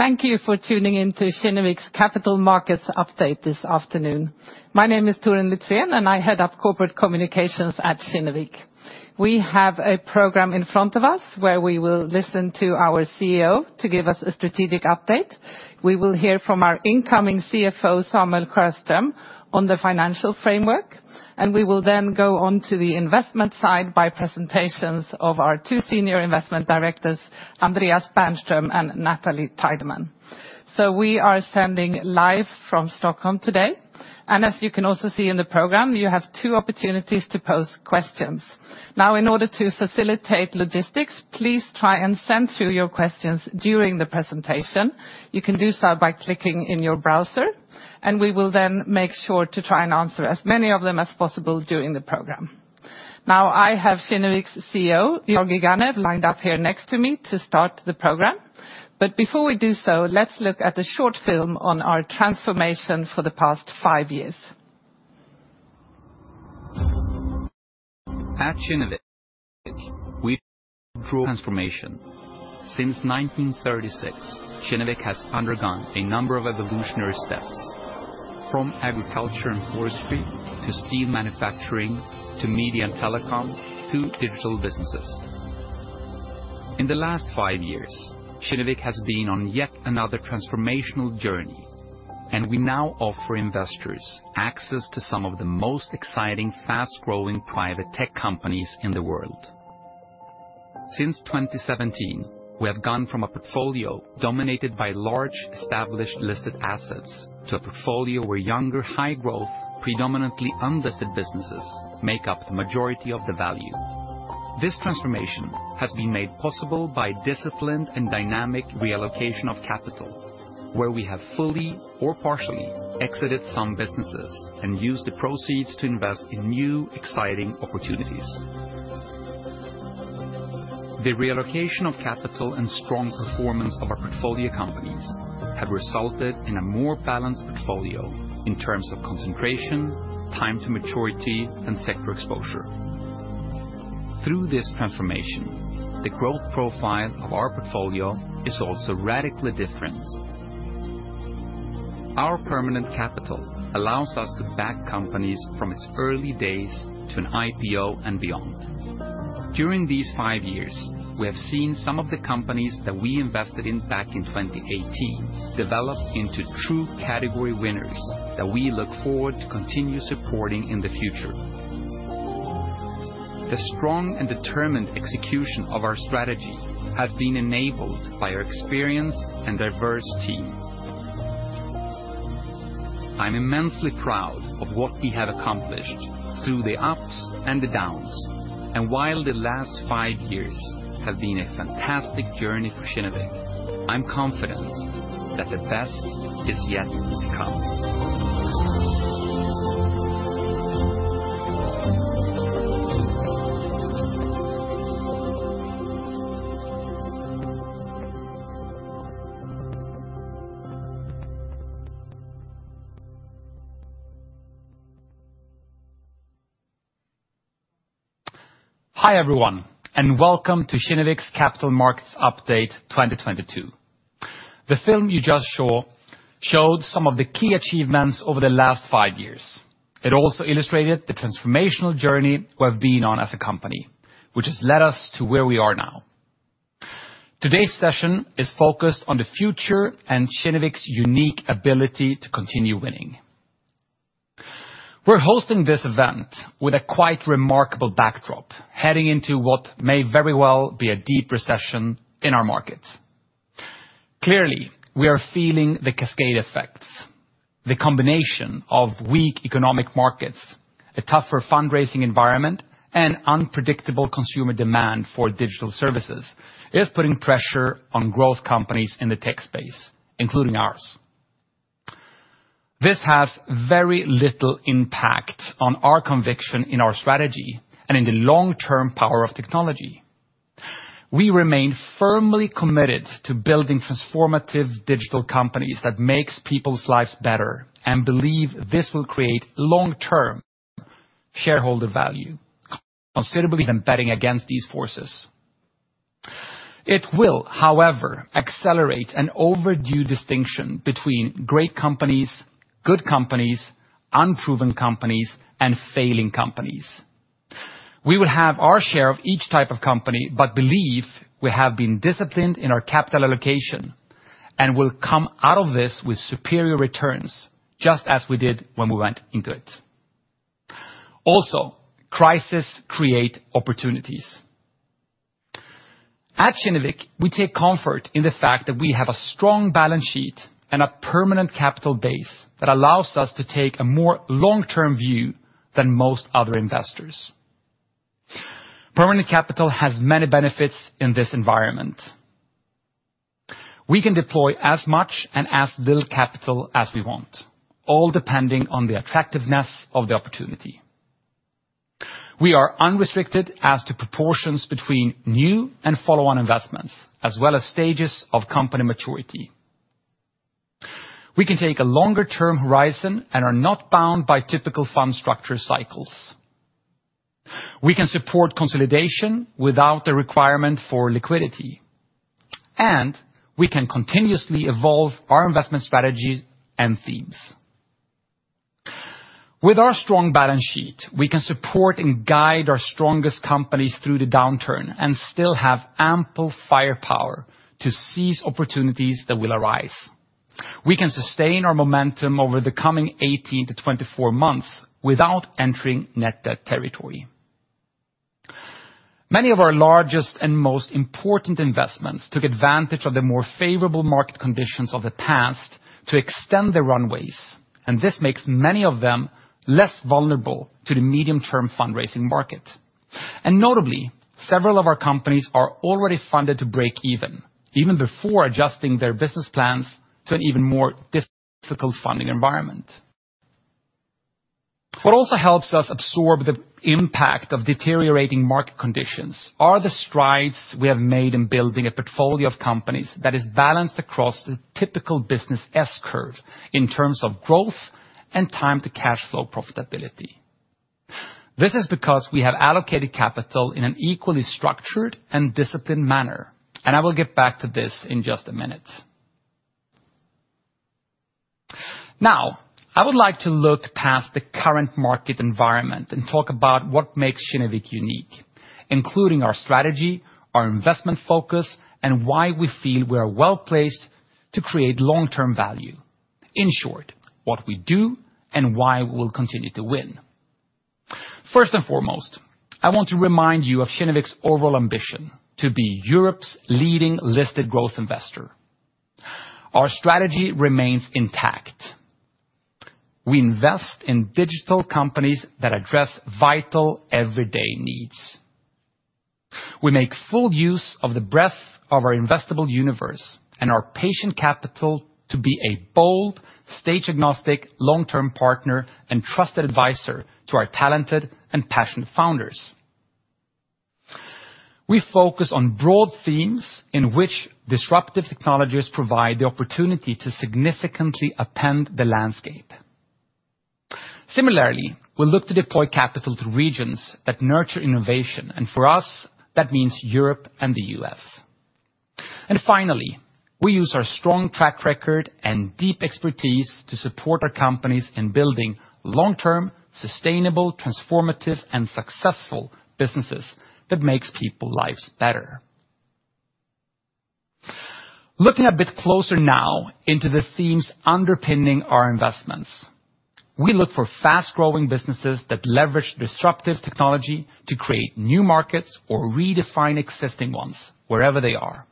Thank you for tuning in to Kinnevik's Capital Markets Update this afternoon. My name is Torun Litzén, and I head up corporate communications at Kinnevik. We have a program in front of us where we will listen to our CEO to give us a strategic update. We will hear from our incoming CFO, Samuel Sjöström, on the financial framework, and we will then go on to the investment side by presentations of our two senior investment directors, Andreas Bernström and Natalie Tydeman. We are sending live from Stockholm today, and as you can also see in the program, you have two opportunities to pose questions. Now in order to facilitate logistics, please try and send through your questions during the presentation. You can do so by clicking in your browser, and we will then make sure to try and answer as many of them as possible during the program. Now, I have Kinnevik's CEO, Georgi Ganev, lined up here next to me to start the program. Before we do so, let's look at a short film on our transformation for the past five years. At Kinnevik, we drive transformation. Since 1936, Kinnevik has undergone a number of evolutionary steps, from agriculture and forestry, to steel manufacturing, to media and telecom, to digital businesses. In the last five years, Kinnevik has been on yet another transformational journey, and we now offer investors access to some of the most exciting, fast-growing private tech companies in the world. Since 2017, we have gone from a portfolio dominated by large, established, listed assets to a portfolio where younger high-growth, predominantly unlisted businesses make up the majority of the value. This transformation has been made possible by disciplined and dynamic reallocation of capital, where we have fully or partially exited some businesses and use the proceeds to invest in new exciting opportunities. The reallocation of capital and strong performance of our portfolio companies have resulted in a more balanced portfolio in terms of concentration, time to maturity, and sector exposure. Through this transformation, the growth profile of our portfolio is also radically different. Our permanent capital allows us to back companies from its early days to an IPO and beyond. During these five years, we have seen some of the companies that we invested in back in 2018 develop into true category winners that we look forward to continue supporting in the future. The strong and determined execution of our strategy has been enabled by our experienced and diverse team. I'm immensely proud of what we have accomplished through the ups and the downs. While the last five years have been a fantastic journey for Kinnevik, I'm confident that the best is yet to come. Hi, everyone, and welcome to Kinnevik's Capital Markets Update 2022. The film you just saw showed some of the key achievements over the last five years. It also illustrated the transformational journey we have been on as a company, which has led us to where we are now. Today's session is focused on the future and Kinnevik's unique ability to continue winning. We're hosting this event with a quite remarkable backdrop, heading into what may very well be a deep recession in our market. Clearly, we are feeling the cascade effects, the combination of weak economic markets, a tougher fundraising environment, and unpredictable consumer demand for digital services is putting pressure on growth companies in the tech space, including ours. This has very little impact on our conviction in our strategy and in the long-term power of technology. We remain firmly committed to building transformative digital companies that makes people's lives better and believe this will create long-term shareholder value considerably than betting against these forces. It will, however, accelerate an overdue distinction between great companies, good companies, unproven companies, and failing companies. We will have our share of each type of company, but believe we have been disciplined in our capital allocation and will come out of this with superior returns just as we did when we went into it. Also, crisis create opportunities. At Kinnevik, we take comfort in the fact that we have a strong balance sheet and a permanent capital base that allows us to take a more long-term view than most other investors. Permanent capital has many benefits in this environment. We can deploy as much and as little capital as we want, all depending on the attractiveness of the opportunity. We are unrestricted as to proportions between new and follow-on investments, as well as stages of company maturity. We can take a longer term horizon and are not bound by typical fund structure cycles. We can support consolidation without the requirement for liquidity, and we can continuously evolve our investment strategies and themes. With our strong balance sheet, we can support and guide our strongest companies through the downturn and still have ample firepower to seize opportunities that will arise. We can sustain our momentum over the coming 18-24 months without entering net debt territory. Many of our largest and most important investments took advantage of the more favorable market conditions of the past to extend the runways, and this makes many of them less vulnerable to the medium-term fundraising market. Notably, several of our companies are already funded to break even before adjusting their business plans to an even more difficult funding environment. What also helps us absorb the impact of deteriorating market conditions are the strides we have made in building a portfolio of companies that is balanced across the typical business S-curve in terms of growth and time to cash flow profitability. This is because we have allocated capital in an equally structured and disciplined manner, and I will get back to this in just a minute. Now, I would like to look past the current market environment and talk about what makes Kinnevik unique, including our strategy, our investment focus, and why we feel we are well-placed to create long-term value. In short, what we do and why we'll continue to win. First and foremost, I want to remind you of Kinnevik's overall ambition to be Europe's leading listed growth investor. Our strategy remains intact. We invest in digital companies that address vital everyday needs. We make full use of the breadth of our investable universe and our patient capital to be a bold, stage-agnostic, long-term partner and trusted advisor to our talented and passionate founders. We focus on broad themes in which disruptive technologies provide the opportunity to significantly upend the landscape. Similarly, we look to deploy capital to regions that nurture innovation, and for us, that means Europe and the U.S. Finally, we use our strong track record and deep expertise to support our companies in building long-term, sustainable, transformative, and successful businesses that makes people lives better. Looking a bit closer now into the themes underpinning our investments. We look for fast-growing businesses that leverage disruptive technology to create new markets or redefine existing ones wherever they are.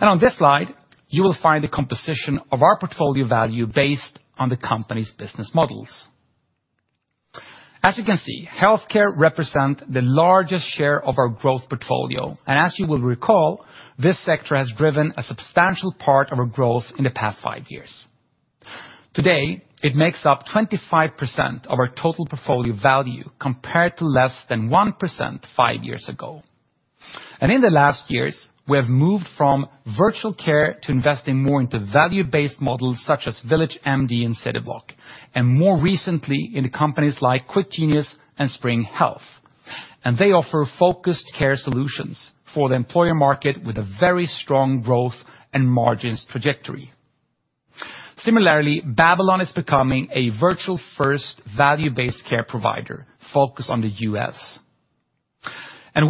On this slide, you will find the composition of our portfolio value based on the company's business models. As you can see, healthcare represent the largest share of our growth portfolio, and as you will recall, this sector has driven a substantial part of our growth in the past five years. Today, it makes up 25% of our total portfolio value, compared to less than 1% five years ago. In the last years, we have moved from virtual care to investing more into value-based models such as VillageMD and Cityblock, and more recently in companies like Quit Genius and Spring Health. They offer focused care solutions for the employer market with a very strong growth and margins trajectory. Similarly, Babylon is becoming a virtual-first value-based care provider focused on the U.S.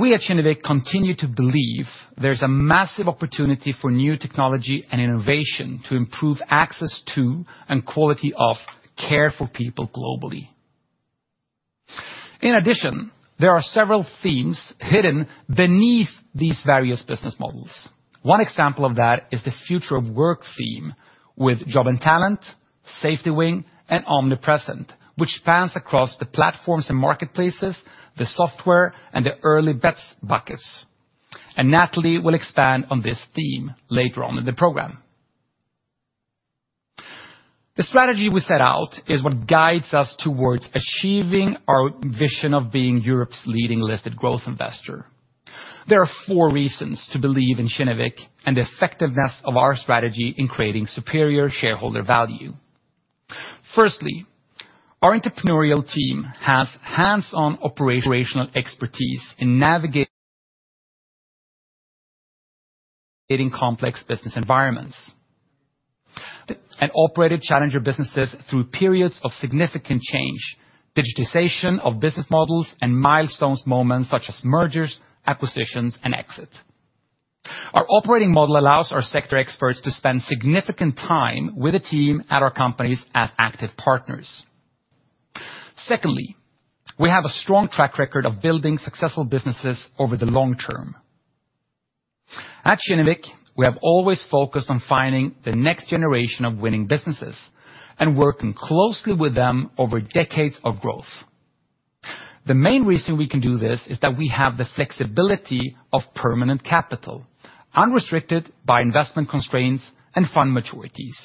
We at Kinnevik continue to believe there's a massive opportunity for new technology and innovation to improve access to and quality of care for people globally. In addition, there are several themes hidden beneath these various business models. One example of that is the future of work theme with Job&Talent, SafetyWing, and Omnipresent, which spans across the platforms and marketplaces, the software, and the early bets buckets. Natalie will expand on this theme later on in the program. The strategy we set out is what guides us towards achieving our vision of being Europe's leading listed growth investor. There are four reasons to believe in Kinnevik and the effectiveness of our strategy in creating superior shareholder value. Firstly, our entrepreneurial team has hands-on operational expertise in navigating complex business environments and operated challenger businesses through periods of significant change, digitization of business models, and milestone moments such as mergers, acquisitions, and exits. Our operating model allows our sector experts to spend significant time with the team at our companies as active partners. Secondly, we have a strong track record of building successful businesses over the long term. At Kinnevik, we have always focused on finding the next generation of winning businesses and working closely with them over decades of growth. The main reason we can do this is that we have the flexibility of permanent capital unrestricted by investment constraints and fund maturities.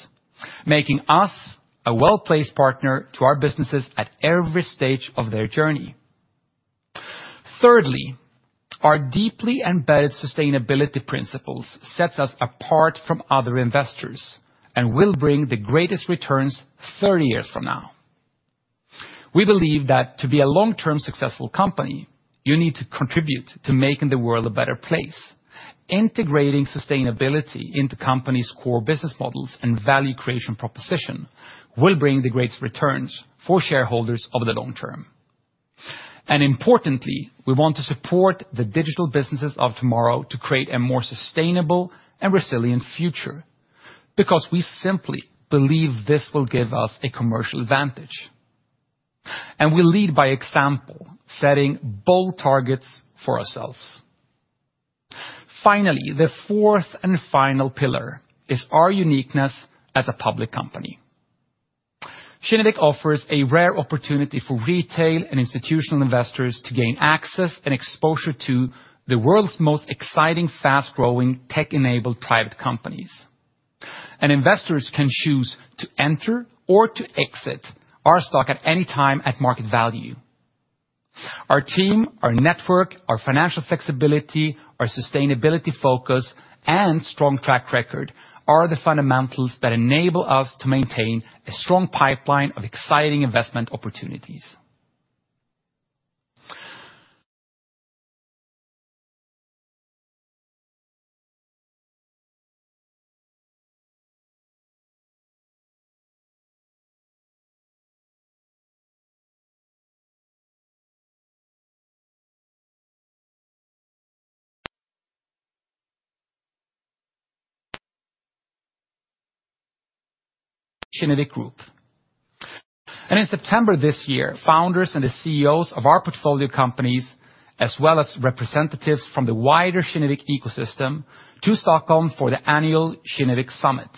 Making us a well-placed partner to our businesses at every stage of their journey. Thirdly, our deeply embedded sustainability principles sets us apart from other investors and will bring the greatest returns 30 years from now. We believe that to be a long-term successful company, you need to contribute to making the world a better place. Integrating sustainability into companies' core business models and value creation proposition will bring the greatest returns for shareholders over the long term. Importantly, we want to support the digital businesses of tomorrow to create a more sustainable and resilient future because we simply believe this will give us a commercial advantage. We lead by example, setting bold targets for ourselves. Finally, the fourth and final pillar is our uniqueness as a public company. Kinnevik offers a rare opportunity for retail and institutional investors to gain access and exposure to the world's most exciting, fast-growing tech-enabled private companies. Investors can choose to enter or to exit our stock at any time at market value. Our team, our network, our financial flexibility, our sustainability focus, and strong track record are the fundamentals that enable us to maintain a strong pipeline of exciting investment opportunities. Kinnevik Group. In September this year, founders and the CEOs of our portfolio companies, as well as representatives from the wider Kinnevik ecosystem, to Stockholm for the annual Kinnevik Summit.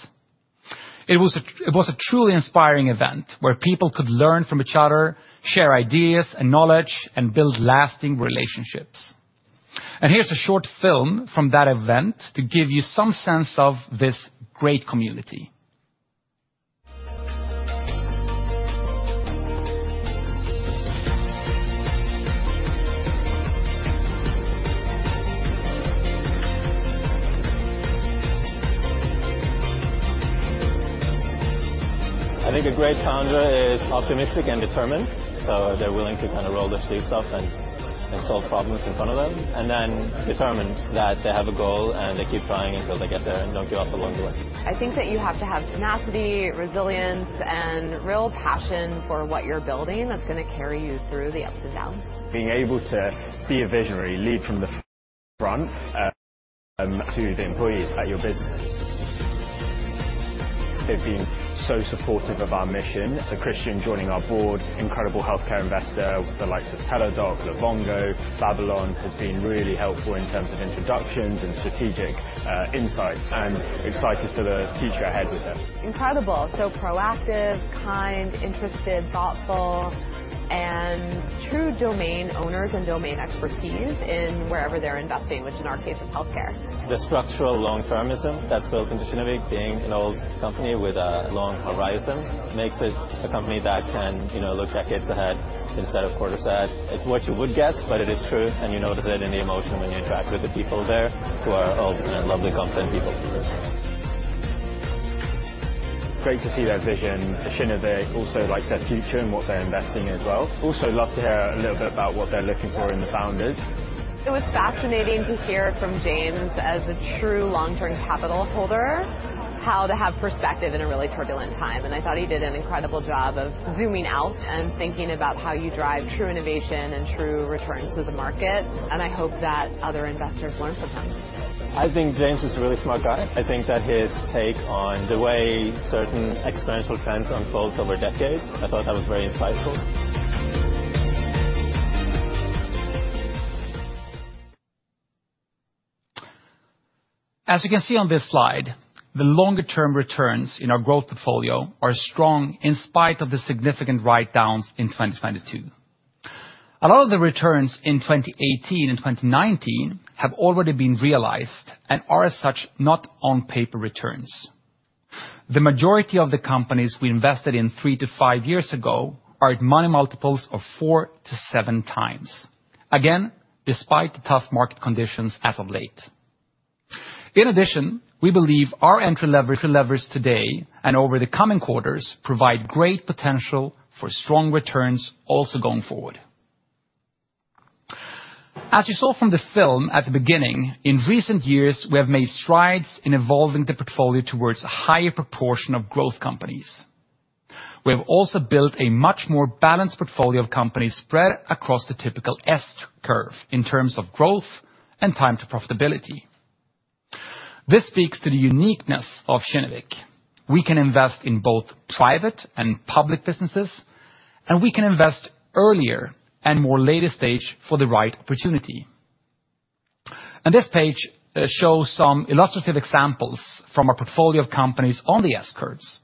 It was a truly inspiring event where people could learn from each other, share ideas and knowledge, and build lasting relationships. Here's a short film from that event to give you some sense of this great community. I think a great founder is optimistic and determined, so they're willing to kinda roll their sleeves up and solve problems in front of them, and then determined that they have a goal and they keep trying until they get there and don't give up along the way. I think that you have to have tenacity, resilience, and real passion for what you're building that's gonna carry you through the ups and downs. Being able to be a visionary, lead from the front, to the employees at your business. They've been so supportive of our mission, to Christian joining our board, incredible healthcare investor, the likes of Teladoc, Livongo. Babylon has been really helpful in terms of introductions and strategic insights, and excited for the future ahead with them. Incredible. Proactive, kind, interested, thoughtful, and true domain owners and domain expertise in wherever they're investing, which in our case is healthcare. The structural long-termism that's built into Kinnevik, being an old company with a long horizon, makes it a company that can, you know, look decades ahead instead of quarters ahead. It's what you would guess, but it is true, and you notice it in the emotion when you interact with the people there, who are all kind of lovely, confident people. Great to see their vision. Kinnevik also like their future and what they're investing in as well. Also love to hear a little bit about what they're looking for in the founders. It was fascinating to hear from Georgi Ganev as a true long-term capital holder, how to have perspective in a really turbulent time, and I thought he did an incredible job of zooming out and thinking about how you drive true innovation and true returns to the market, and I hope that other investors learn from him. I think Georgi Ganev is a really smart guy. I think that his take on the way certain exponential trends unfolds over decades. I thought that was very insightful. As you can see on this slide, the longer term returns in our growth portfolio are strong in spite of the significant write-downs in 2022. A lot of the returns in 2018 and 2019 have already been realized and are as such not on paper returns. The majority of the companies we invested in 3-5 years ago are at money multiples of 4x-7x. Again, despite the tough market conditions as of late. In addition, we believe our entry leverage and leverage today and over the coming quarters provide great potential for strong returns also going forward. As you saw from the film at the beginning, in recent years, we have made strides in evolving the portfolio towards a higher proportion of growth companies. We have also built a much more balanced portfolio of companies spread across the typical S curve in terms of growth and time to profitability. This speaks to the uniqueness of Kinnevik. We can invest in both private and public businesses, and we can invest earlier and more later stage for the right opportunity. This page shows some illustrative examples from our portfolio of companies on the S curves.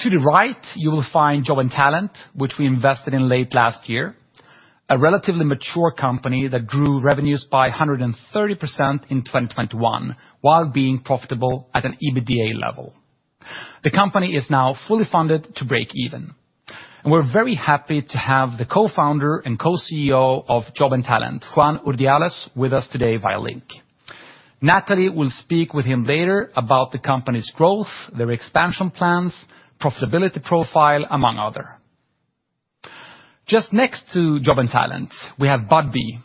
To the right, you will find Job&Talent, which we invested in late last year. A relatively mature company that grew revenues by 130% in 2021 while being profitable at an EBITDA level. The company is now fully funded to break even. We're very happy to have the co-founder and co-CEO of Job&Talent, Juan Urdiales, with us today via link. Natalie will speak with him later about the company's growth, their expansion plans, profitability profile, among other. Just next to Job&Talent, we have Budbee,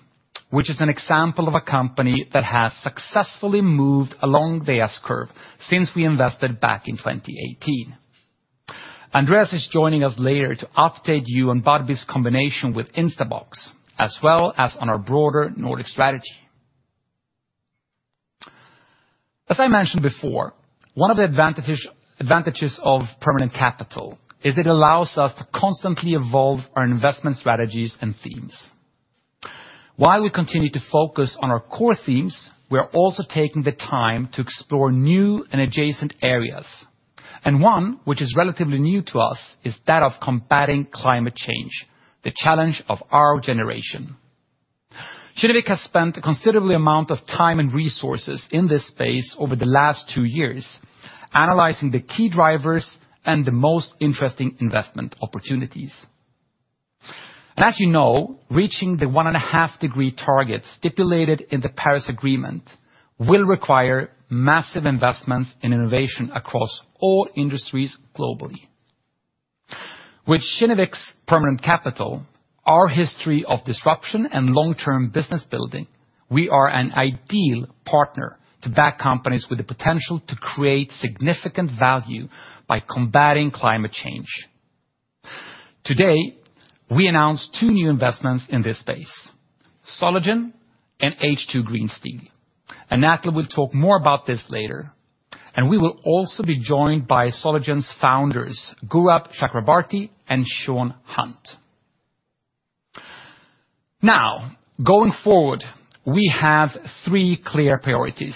which is an example of a company that has successfully moved along the S-curve since we invested back in 2018. Andreas is joining us later to update you on Budbee's combination with Instabox, as well as on our broader Nordic strategy. As I mentioned before, one of the advantages of permanent capital is it allows us to constantly evolve our investment strategies and themes. While we continue to focus on our core themes, we are also taking the time to explore new and adjacent areas, and one which is relatively new to us is that of combating climate change, the challenge of our generation. Kinnevik has spent a considerable amount of time and resources in this space over the last two years analyzing the key drivers and the most interesting investment opportunities. As you know, reaching the 1.5-degree target stipulated in the Paris Agreement will require massive investments in innovation across all industries globally. With Kinnevik's permanent capital, our history of disruption and long-term business building, we are an ideal partner to back companies with the potential to create significant value by combating climate change. Today, we announce two new investments in this space, Solugen and H2 Green Steel. Natalie will talk more about this later. We will also be joined by Solugen's founders, Gaurab Chakrabarti and Sean Hunt. Now, going forward, we have three clear priorities.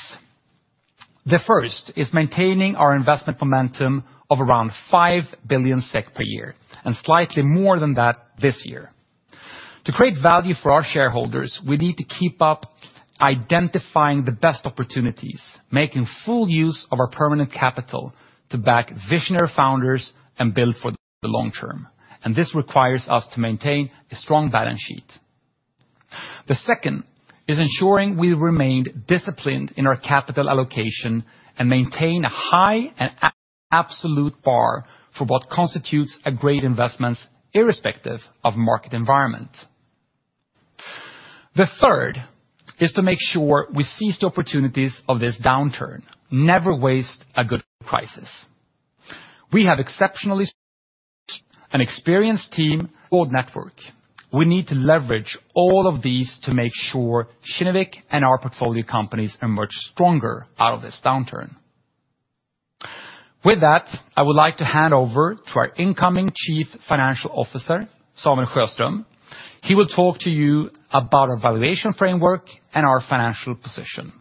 The first is maintaining our investment momentum of around 5 billion SEK per year, and slightly more than that this year. To create value for our shareholders, we need to keep up identifying the best opportunities, making full use of our permanent capital to back visionary founders and build for the long term, and this requires us to maintain a strong balance sheet. The second is ensuring we remain disciplined in our capital allocation and maintain a high and absolute bar for what constitutes a great investment irrespective of market environment. The third is to make sure we seize the opportunities of this downturn. Never waste a good crisis. We have an exceptionally experienced team network. We need to leverage all of these to make sure Kinnevik and our portfolio companies emerge stronger out of this downturn. With that, I would like to hand over to our incoming Chief Financial Officer, Samuel Sjöström. He will talk to you about our valuation framework and our financial position.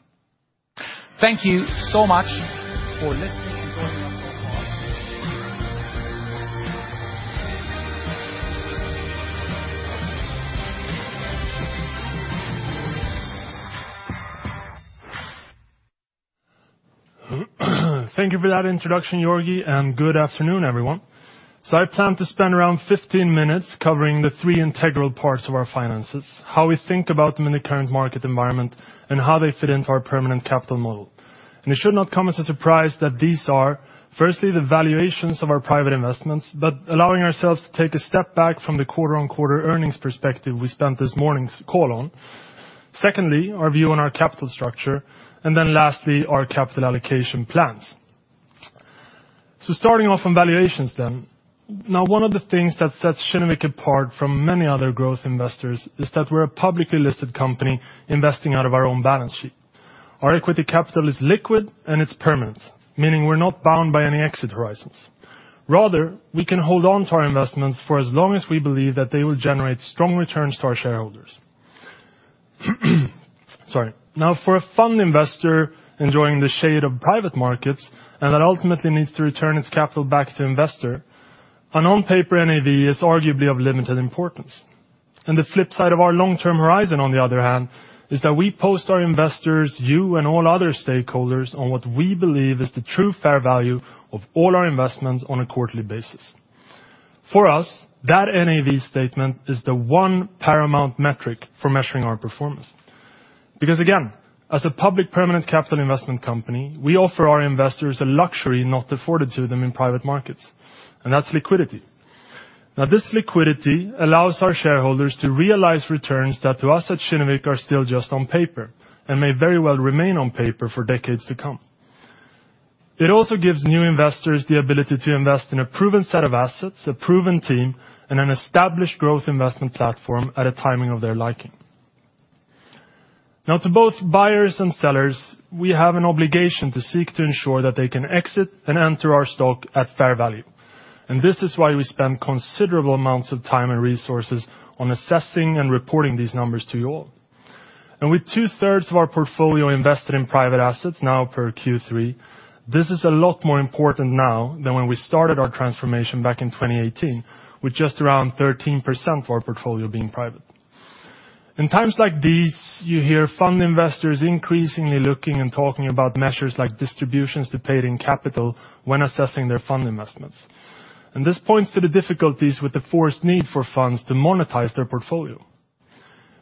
Thank you so much for listening and joining us so far. Thank you for that introduction, Georgi, and good afternoon, everyone. I plan to spend around 15 minutes covering the three integral parts of our finances, how we think about them in the current market environment, and how they fit into our permanent capital model. It should not come as a surprise that these are firstly the valuations of our private investments, but allowing ourselves to take a step back from the quarter-on-quarter earnings perspective we spent this morning's call on. Secondly, our view on our capital structure, and then lastly, our capital allocation plans. Starting off on valuations then. Now one of the things that sets Kinnevik apart from many other growth investors is that we're a publicly listed company investing out of our own balance sheet. Our equity capital is liquid and it's permanent, meaning we're not bound by any exit horizons. Rather, we can hold on to our investments for as long as we believe that they will generate strong returns to our shareholders. Sorry. Now for a fund investor enjoying the shade of private markets and that ultimately needs to return its capital back to investor, an on-paper NAV is arguably of limited importance. The flip side of our long-term horizon on the other hand, is that we keep our investors posted on what we believe is the true fair value of all our investments on a quarterly basis. For us, that NAV statement is the one paramount metric for measuring our performance. Because again, as a public permanent capital investment company, we offer our investors a luxury not afforded to them in private markets, and that's liquidity. Now this liquidity allows our shareholders to realize returns that to us at Kinnevik are still just on paper and may very well remain on paper for decades to come. It also gives new investors the ability to invest in a proven set of assets, a proven team, and an established growth investment platform at a timing of their liking. Now to both buyers and sellers, we have an obligation to seek to ensure that they can exit and enter our stock at fair value, and this is why we spend considerable amounts of time and resources on assessing and reporting these numbers to you all. With two-thirds of our portfolio invested in private assets now per Q3, this is a lot more important now than when we started our transformation back in 2018, with just around 13% of our portfolio being private. In times like these, you hear fund investors increasingly looking and talking about measures like distributions to paid in capital when assessing their fund investments. This points to the difficulties with the forced need for funds to monetize their portfolio.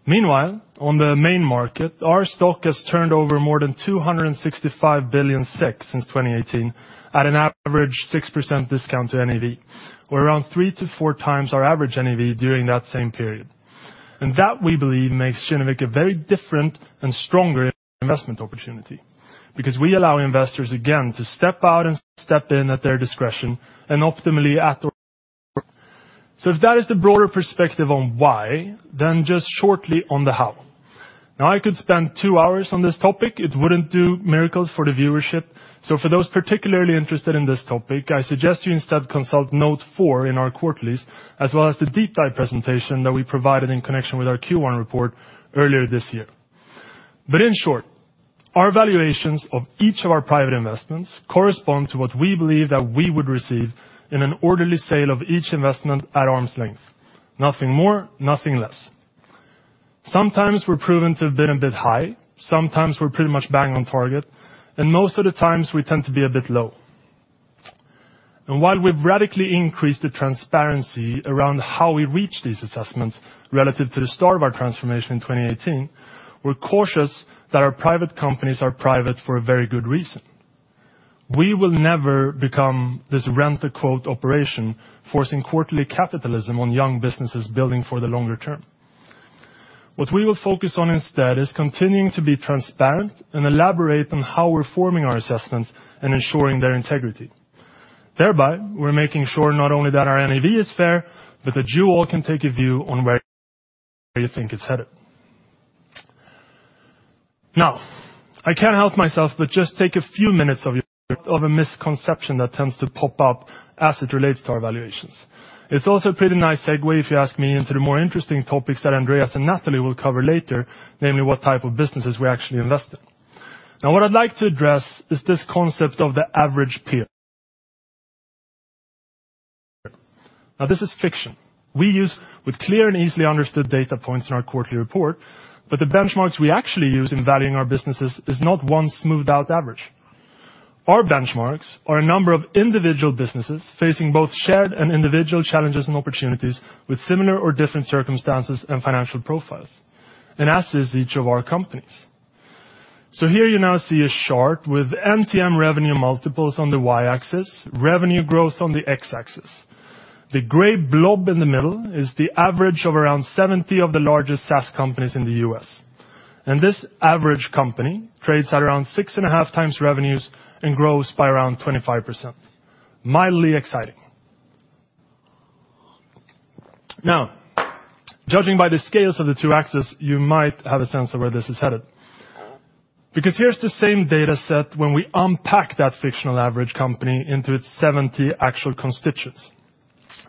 Meanwhile, on the main market, our stock has turned over more than 265 billion SEK since 2018 at an average 6% discount to NAV. We're around 3-4 times our average NAV during that same period. That we believe makes Kinnevik a very different and stronger investment opportunity because we allow investors again to step out and step in at their discretion and optimally at NAV. If that is the broader perspective on why, then just shortly on the how. Now I could spend 2 hours on this topic. It wouldn't do miracles for the viewership. For those particularly interested in this topic, I suggest you instead consult note four in our quarterlies, as well as the deep dive presentation that we provided in connection with our Q1 report earlier this year. In short, our valuations of each of our private investments correspond to what we believe that we would receive in an orderly sale of each investment at arm's length. Nothing more, nothing less. Sometimes we're proven to have been a bit high, sometimes we're pretty much bang on target, and most of the times we tend to be a bit low. While we've radically increased the transparency around how we reach these assessments relative to the start of our transformation in 2018, we're cautious that our private companies are private for a very good reason. We will never become this rent-a-quote operation, forcing quarterly capitalism on young businesses building for the longer term. What we will focus on instead is continuing to be transparent and elaborate on how we're forming our assessments and ensuring their integrity. Thereby, we're making sure not only that our NAV is fair, but that you all can take a view on where you think it's headed. Now, I can't help myself but to take a few minutes to address a misconception that tends to pop up as it relates to our valuations. It's also a pretty nice segue, if you ask me, into the more interesting topics that Andreas and Natalie will cover later, namely what type of businesses we actually invest in. Now, what I'd like to address is this concept of the average peer. Now this is fiction. We use, with clear and easily understood data points, in our quarterly report, but the benchmarks we actually use in valuing our businesses is not one smoothed out average. Our benchmarks are a number of individual businesses facing both shared and individual challenges and opportunities with similar or different circumstances and financial profiles, and as is each of our companies. Here you now see a chart with NTM revenue multiples on the y-axis, revenue growth on the x-axis. The gray blob in the middle is the average of around 70 of the largest SaaS companies in the U.S. This average company trades at around 6.5 times revenues and grows by around 25%. Mildly exciting. Now, judging by the scales of the two axes, you might have a sense of where this is headed. Because here's the same data set when we unpack that fictional average company into its 70 actual constituents.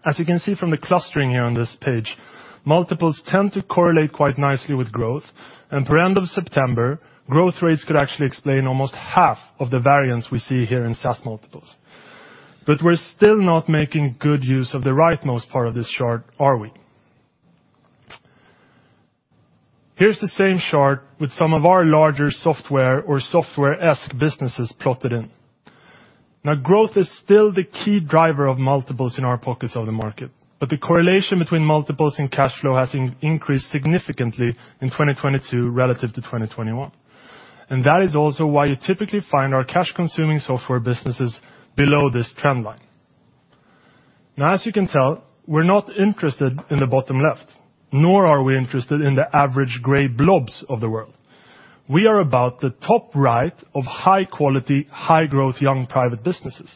As you can see from the clustering here on this page, multiples tend to correlate quite nicely with growth, and per end of September, growth rates could actually explain almost half of the variance we see here in SaaS multiples. We're still not making good use of the rightmost part of this chart, are we? Here's the same chart with some of our larger software or software-esque businesses plotted in. Now, growth is still the key driver of multiples in our pockets of the market, but the correlation between multiples and cash flow has increased significantly in 2022 relative to 2021. That is also why you typically find our cash consuming software businesses below this trend line. Now as you can tell, we're not interested in the bottom left, nor are we interested in the average gray blobs of the world. We are about the top right of high quality, high growth, young private businesses.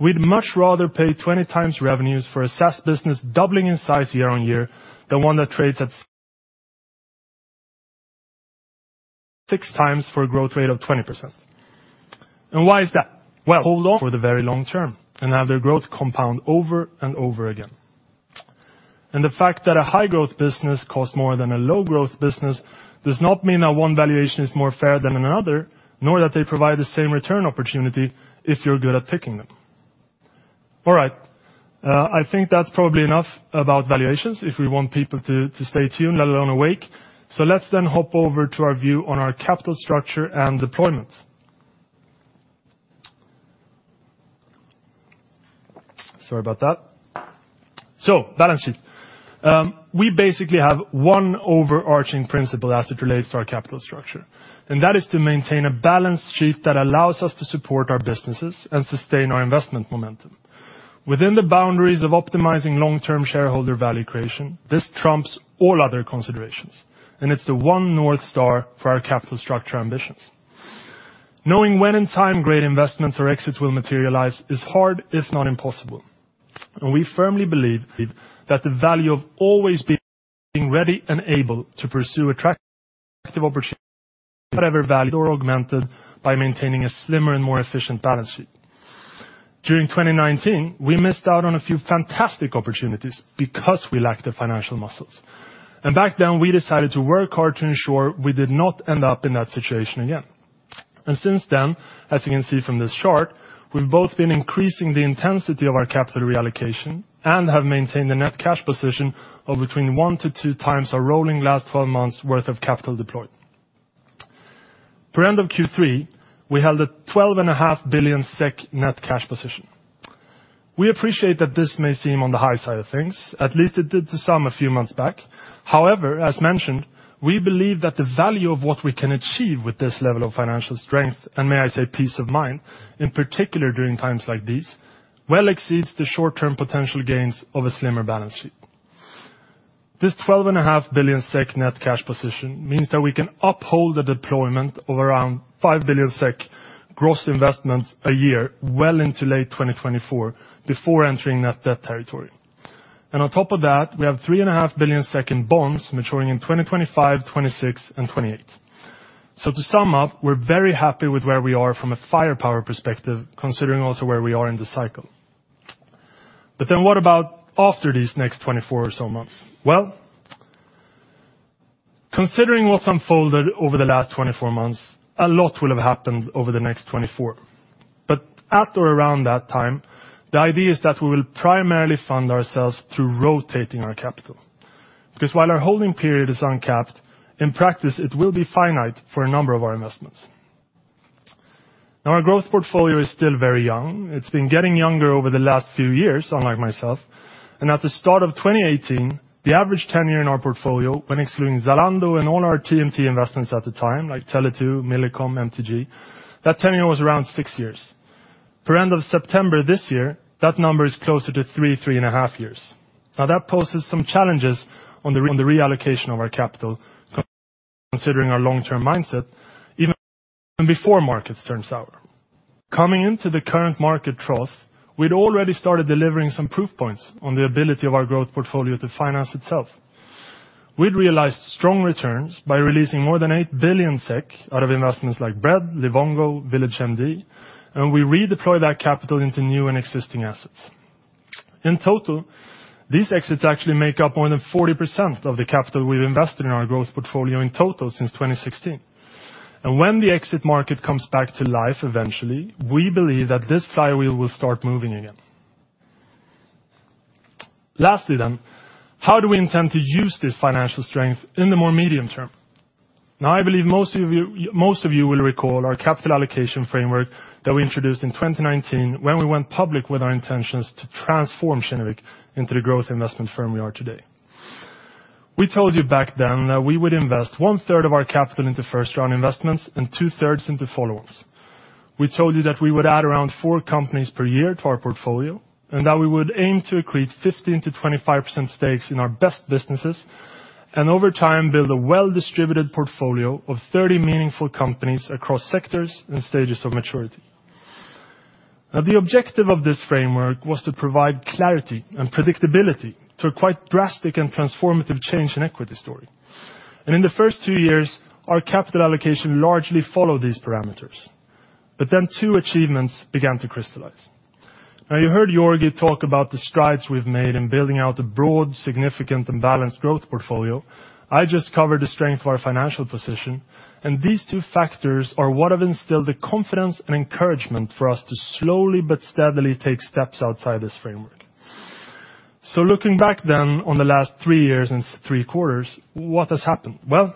We'd much rather pay 20x revenues for a SaaS business doubling in size year-on-year than one that trades at 6x for a growth rate of 20%. Why is that? Well, for the very long term and have their growth compound over and over again. The fact that a high growth business costs more than a low growth business does not mean that one valuation is more fair than another, nor that they provide the same return opportunity if you're good at picking them. All right, I think that's probably enough about valuations if we want people to stay tuned, let alone awake. Let's then hop over to our view on our capital structure and deployment. Sorry about that. Balance sheet. We basically have one overarching principle as it relates to our capital structure, and that is to maintain a balance sheet that allows us to support our businesses and sustain our investment momentum. Within the boundaries of optimizing long-term shareholder value creation, this trumps all other considerations, and it's the one north star for our capital structure ambitions. Knowing when in time great investments or exits will materialize is hard, if not impossible. We firmly believe that the value of always being ready and able to pursue attractive opportunities, whatever valued or augmented by maintaining a slimmer and more efficient balance sheet. During 2019, we missed out on a few fantastic opportunities because we lacked the financial muscles. Back then, we decided to work hard to ensure we did not end up in that situation again. Since then, as you can see from this chart, we've both been increasing the intensity of our capital reallocation and have maintained a net cash position of between 1-2 times our rolling last 12 months worth of capital deployed. For end of Q3, we held a 12.5 billion SEK net cash position. We appreciate that this may seem on the high side of things, at least it did to some a few months back. However, as mentioned, we believe that the value of what we can achieve with this level of financial strength, and may I say peace of mind, in particular during times like these, well exceeds the short-term potential gains of a slimmer balance sheet. This 12 and a half billion SEK net cash position means that we can uphold the deployment of around 5 billion SEK gross investments a year well into late 2024 before entering net debt territory. On top of that, we have 3 and a half billion in bonds maturing in 2025, 2026, and 2028. To sum up, we're very happy with where we are from a firepower perspective, considering also where we are in the cycle. What about after these next 24 or so months? Well, considering what's unfolded over the last 24 months, a lot will have happened over the next 24. At or around that time, the idea is that we will primarily fund ourselves through rotating our capital. Because while our holding period is uncapped, in practice, it will be finite for a number of our investments. Now our growth portfolio is still very young. It's been getting younger over the last few years, unlike myself. At the start of 2018, the average tenure in our portfolio when excluding Zalando and all our TMT investments at the time, like Tele2, Millicom, MTG, that tenure was around six years. For end of September this year, that number is closer to three and a half years. Now that poses some challenges on the reallocation of our capital considering our long-term mindset even before markets turn sour. Coming into the current market trough, we'd already started delivering some proof points on the ability of our growth portfolio to finance itself. We'd realized strong returns by releasing more than 8 billion SEK out of investments like Bread, Livongo, VillageMD, and we redeployed that capital into new and existing assets. In total, these exits actually make up more than 40% of the capital we've invested in our growth portfolio in total since 2016. When the exit market comes back to life eventually, we believe that this flywheel will start moving again. Lastly, how do we intend to use this financial strength in the more medium term? Now, I believe most of you will recall our capital allocation framework that we introduced in 2019 when we went public with our intentions to transform Kinnevik into the growth investment firm we are today. We told you back then that we would invest one-third of our capital into first-round investments and two-thirds into follow-ons. We told you that we would add around four companies per year to our portfolio and that we would aim to accrete 15%-25% stakes in our best businesses, and over time build a well-distributed portfolio of 30 meaningful companies across sectors and stages of maturity. Now the objective of this framework was to provide clarity and predictability to a quite drastic and transformative change in equity story. In the first two years, our capital allocation largely followed these parameters. Two achievements began to crystallize. Now you heard Georgi talk about the strides we've made in building out a broad, significant, and balanced growth portfolio. I just covered the strength of our financial position, and these two factors are what have instilled the confidence and encouragement for us to slowly but steadily take steps outside this framework. Looking back then on the last three years and three quarters, what has happened? Well,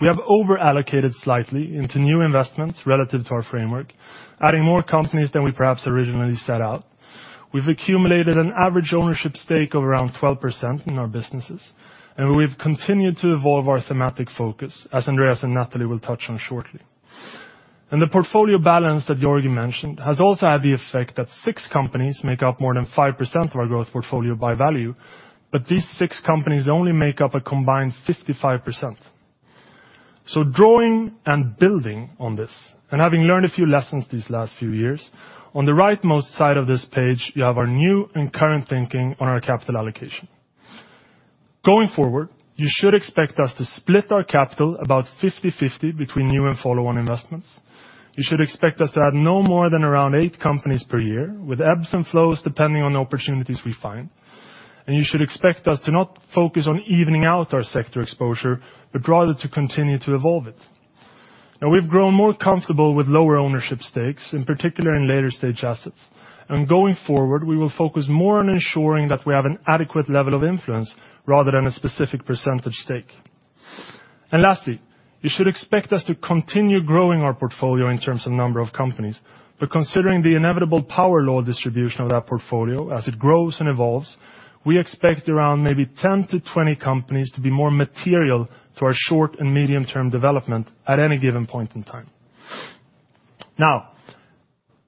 we have over-allocated slightly into new investments relative to our framework, adding more companies than we perhaps originally set out. We've accumulated an average ownership stake of around 12% in our businesses, and we've continued to evolve our thematic focus, as Andreas and Natalie will touch on shortly. The portfolio balance that Georgi mentioned has also had the effect that 6 companies make up more than 5% of our growth portfolio by value, but these six companies only make up a combined 55%. Drawing and building on this, and having learned a few lessons these last few years, on the right-most side of this page, you have our new and current thinking on our capital allocation. Going forward, you should expect us to split our capital about 50/50 between new and follow-on investments. You should expect us to add no more than around 8 companies per year, with ebbs and flows depending on the opportunities we find. You should expect us to not focus on evening out our sector exposure, but rather to continue to evolve it. Now we've grown more comfortable with lower ownership stakes, in particular in later stage assets. Going forward, we will focus more on ensuring that we have an adequate level of influence rather than a specific percentage stake. Lastly, you should expect us to continue growing our portfolio in terms of number of companies. Considering the inevitable power law distribution of that portfolio as it grows and evolves, we expect around maybe 10-20 companies to be more material to our short and medium-term development at any given point in time. Now,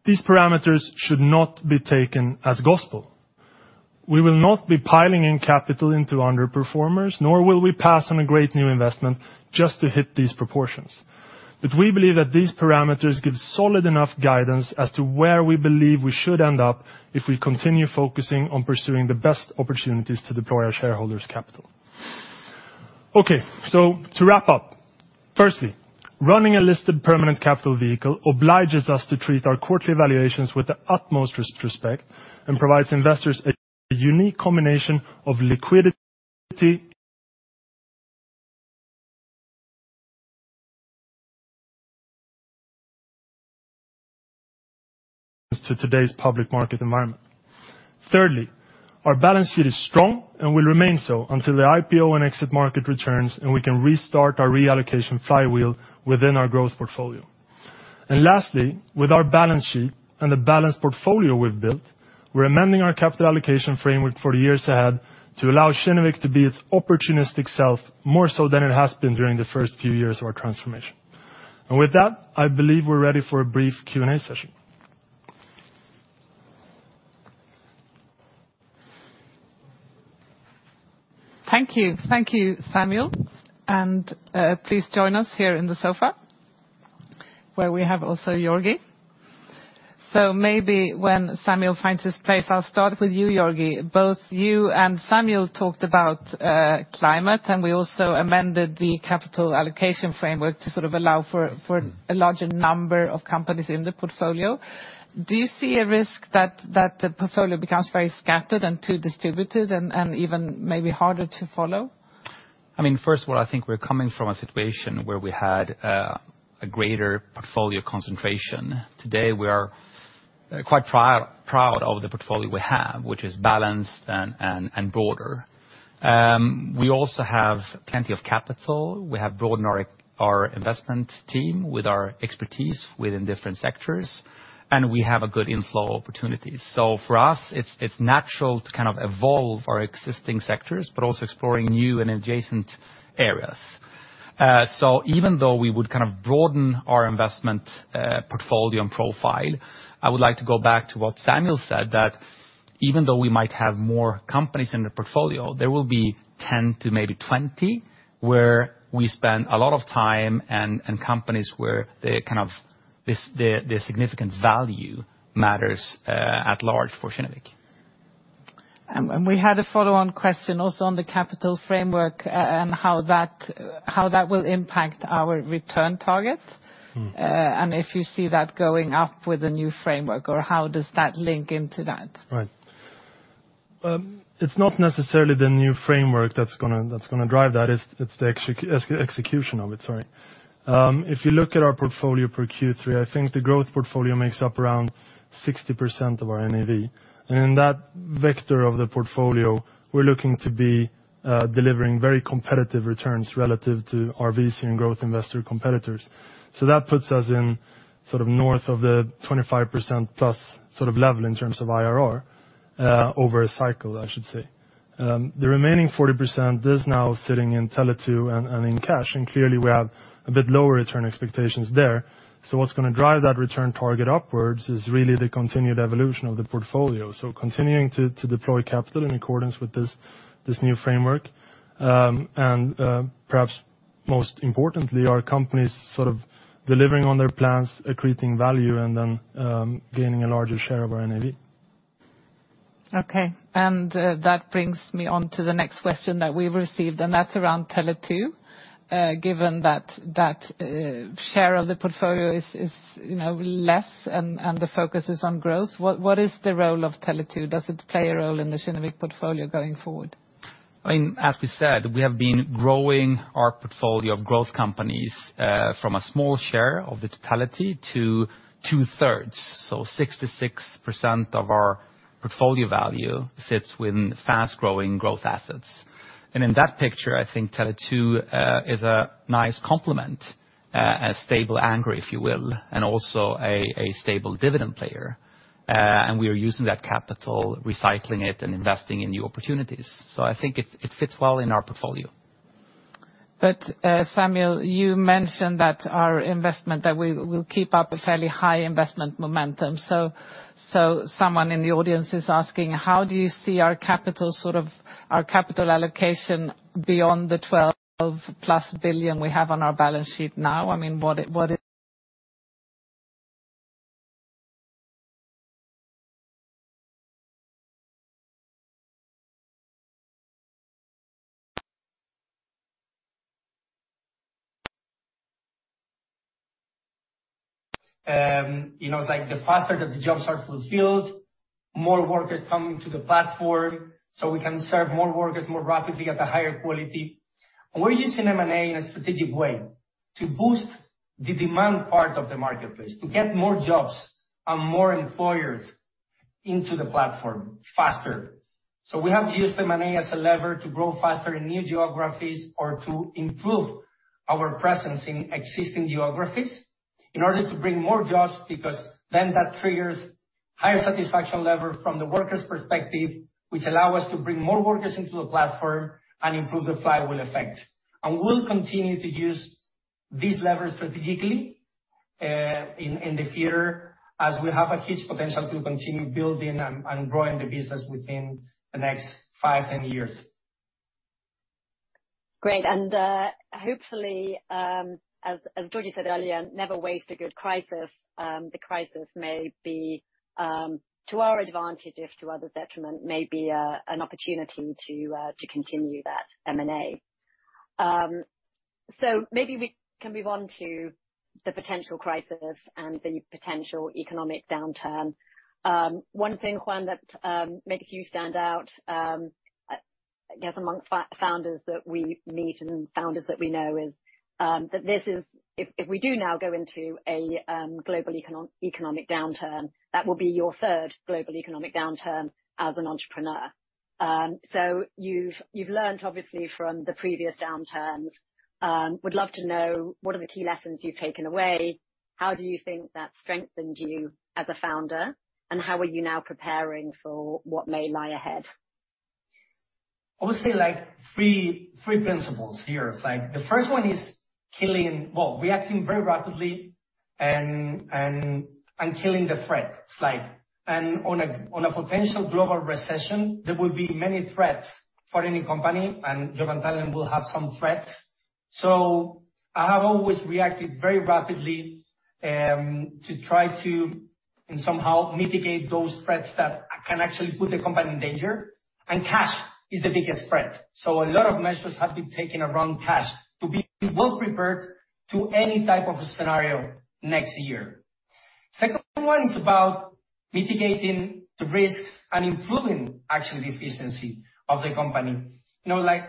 these parameters should not be taken as gospel. We will not be piling in capital into underperformers, nor will we pass on a great new investment just to hit these proportions. We believe that these parameters give solid enough guidance as to where we believe we should end up if we continue focusing on pursuing the best opportunities to deploy our shareholders' capital. Okay, so to wrap up, firstly, running a listed permanent capital vehicle obliges us to treat our quarterly evaluations with the utmost respect and provides investors a unique combination of liquidity. Thank you. Thank you, Samuel, and please join us here in the sofa where we have also Georgi. Maybe when Samuel finds his place, I'll start with you, Georgi. Both you and Samuel talked about climate, and we also amended the capital allocation framework to sort of allow for a larger number of companies in the portfolio. Do you see a risk that the portfolio becomes very scattered and too distributed and even maybe harder to follow? I mean, first of all, I think we're coming from a situation where we had a greater portfolio concentration. Today, we are quite proud of the portfolio we have, which is balanced and broader. We also have plenty of capital. We have broadened our investment team with our expertise within different sectors, and we have a good inflow opportunity. For us, it's natural to kind of evolve our existing sectors but also exploring new and adjacent areas. Even though we would kind of broaden our investment portfolio and profile, I would like to go back to what Samuel said, that even though we might have more companies in the portfolio, there will be 10 to maybe 20 where we spend a lot of time and companies where the significant value matters at large for Kinnevik. We had a follow-on question also on the capital framework and how that will impact our return target. If you see that going up with a new framework, or how does that link into that? Right. It's not necessarily the new framework that's gonna drive that. It's the execution of it, sorry. If you look at our portfolio for Q3, I think the growth portfolio makes up around 60% of our NAV. In that vector of the portfolio, we're looking to be delivering very competitive returns relative to our VC and growth investor competitors. That puts us in sort of north of the 25%+ sort of level in terms of IRR over a cycle, I should say. The remaining 40% is now sitting in Tele2 and in cash, and clearly we have a bit lower return expectations there. What's gonna drive that return target upwards is really the continued evolution of the portfolio. Continuing to deploy capital in accordance with this new framework, and perhaps most importantly, our companies sort of delivering on their plans, accreting value, and then gaining a larger share of our NAV. Okay, that brings me on to the next question that we've received, and that's around Tele2. Given that that share of the portfolio is, you know, less and the focus is on growth, what is the role of Tele2? Does it play a role in the Kinnevik portfolio going forward? I mean, as we said, we have been growing our portfolio of growth companies from a small share of the totality to two-thirds. 66% of our portfolio value sits within fast-growing growth assets. In that picture, I think Tele2 is a nice complement, a stable anchor, if you will, and also a stable dividend player. We are using that capital, recycling it, and investing in new opportunities. I think it fits well in our portfolio. Samuel, you mentioned that our investment, that we will keep up a fairly high investment momentum. So someone in the audience is asking, how do you see our capital, sort of our capital allocation beyond the 12+ billion we have on our balance sheet now? I mean, what is You know, it's like the faster that the jobs are fulfilled, more workers come into the platform, so we can serve more workers more rapidly at a higher quality. We're using M&A in a strategic way to boost the demand part of the marketplace, to get more jobs and more employers into the platform faster. We have used M&A as a lever to grow faster in new geographies or to improve our presence in existing geographies in order to bring more jobs, because then that triggers higher satisfaction level from the workers' perspective, which allow us to bring more workers into the platform and improve the flywheel effect. We'll continue to use these levers strategically, in the future as we have a huge potential to continue building and growing the business within the next 5-10 years. Great. Hopefully, as Georgi said earlier, never waste a good crisis. The crisis may be to our advantage if to others' detriment, may be an opportunity to continue that M&A. Maybe we can move on to the potential crisis and the potential economic downturn. One thing, Juan, that makes you stand out, I guess amongst founders that we meet and founders that we know is that this is. If we do now go into a global economic downturn, that will be your third global economic downturn as an entrepreneur. You've learned obviously from the previous downturns. Would love to know what are the key lessons you've taken away? How do you think that strengthened you as a founder, and how are you now preparing for what may lie ahead? I would say, like three principles here. It's like the first one is reacting very rapidly and killing the threat. It's like on a potential global recession, there will be many threats for any company, and Job&Talent will have some threats. I have always reacted very rapidly to try to somehow mitigate those threats that can actually put the company in danger. Cash is the biggest threat. A lot of measures have been taken around cash to be well prepared to any type of a scenario next year. Second one is about mitigating the risks and improving actually the efficiency of the company. You know, like,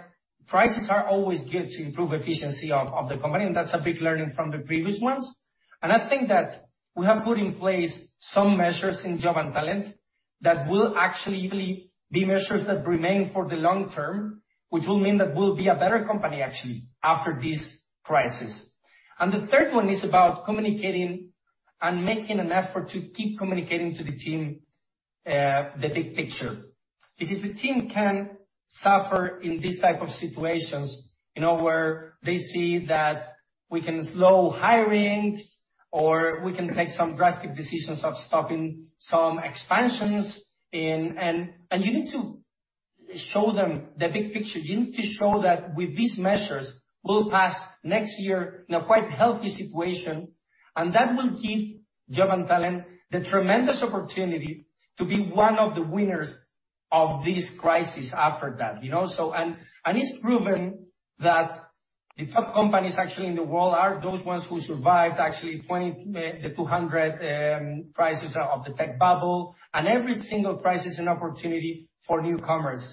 crises are always good to improve efficiency of the company, and that's a big learning from the previous ones. I think that we have put in place some measures in Job&Talent that will actually be measures that remain for the long term, which will mean that we'll be a better company, actually, after this crisis. The third one is about communicating and making an effort to keep communicating to the team, the big picture. Because the team can suffer in these type of situations, you know, where they see that we can slow hiring or we can take some drastic decisions of stopping some expansions. You need to show them the big picture. You need to show that with these measures, we'll pass next year in a quite healthy situation, and that will give Job&Talent the tremendous opportunity to be one of the winners of this crisis after that, you know. It's proven that the top companies actually in the world are those ones who survived actually the 2000 crisis of the tech bubble, and every single crisis is an opportunity for newcomers.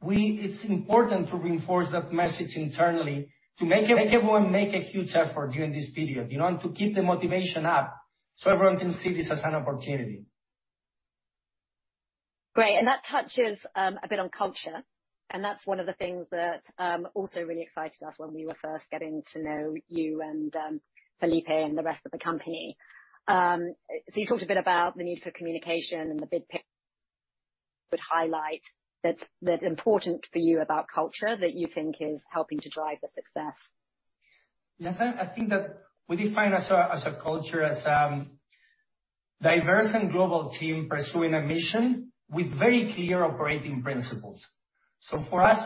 It's important to reinforce that message internally to make everyone make a huge effort during this period, you know, and to keep the motivation up so everyone can see this as an opportunity. Great. That touches a bit on culture, and that's one of the things that also really excited us when we were first getting to know you and Felipe and the rest of the company. You talked a bit about the need for communication and the big picture would highlight that's important for you about culture that you think is helping to drive the success. I think that we define ourselves as a culture as, diverse and global team pursuing a mission with very clear operating principles. For us,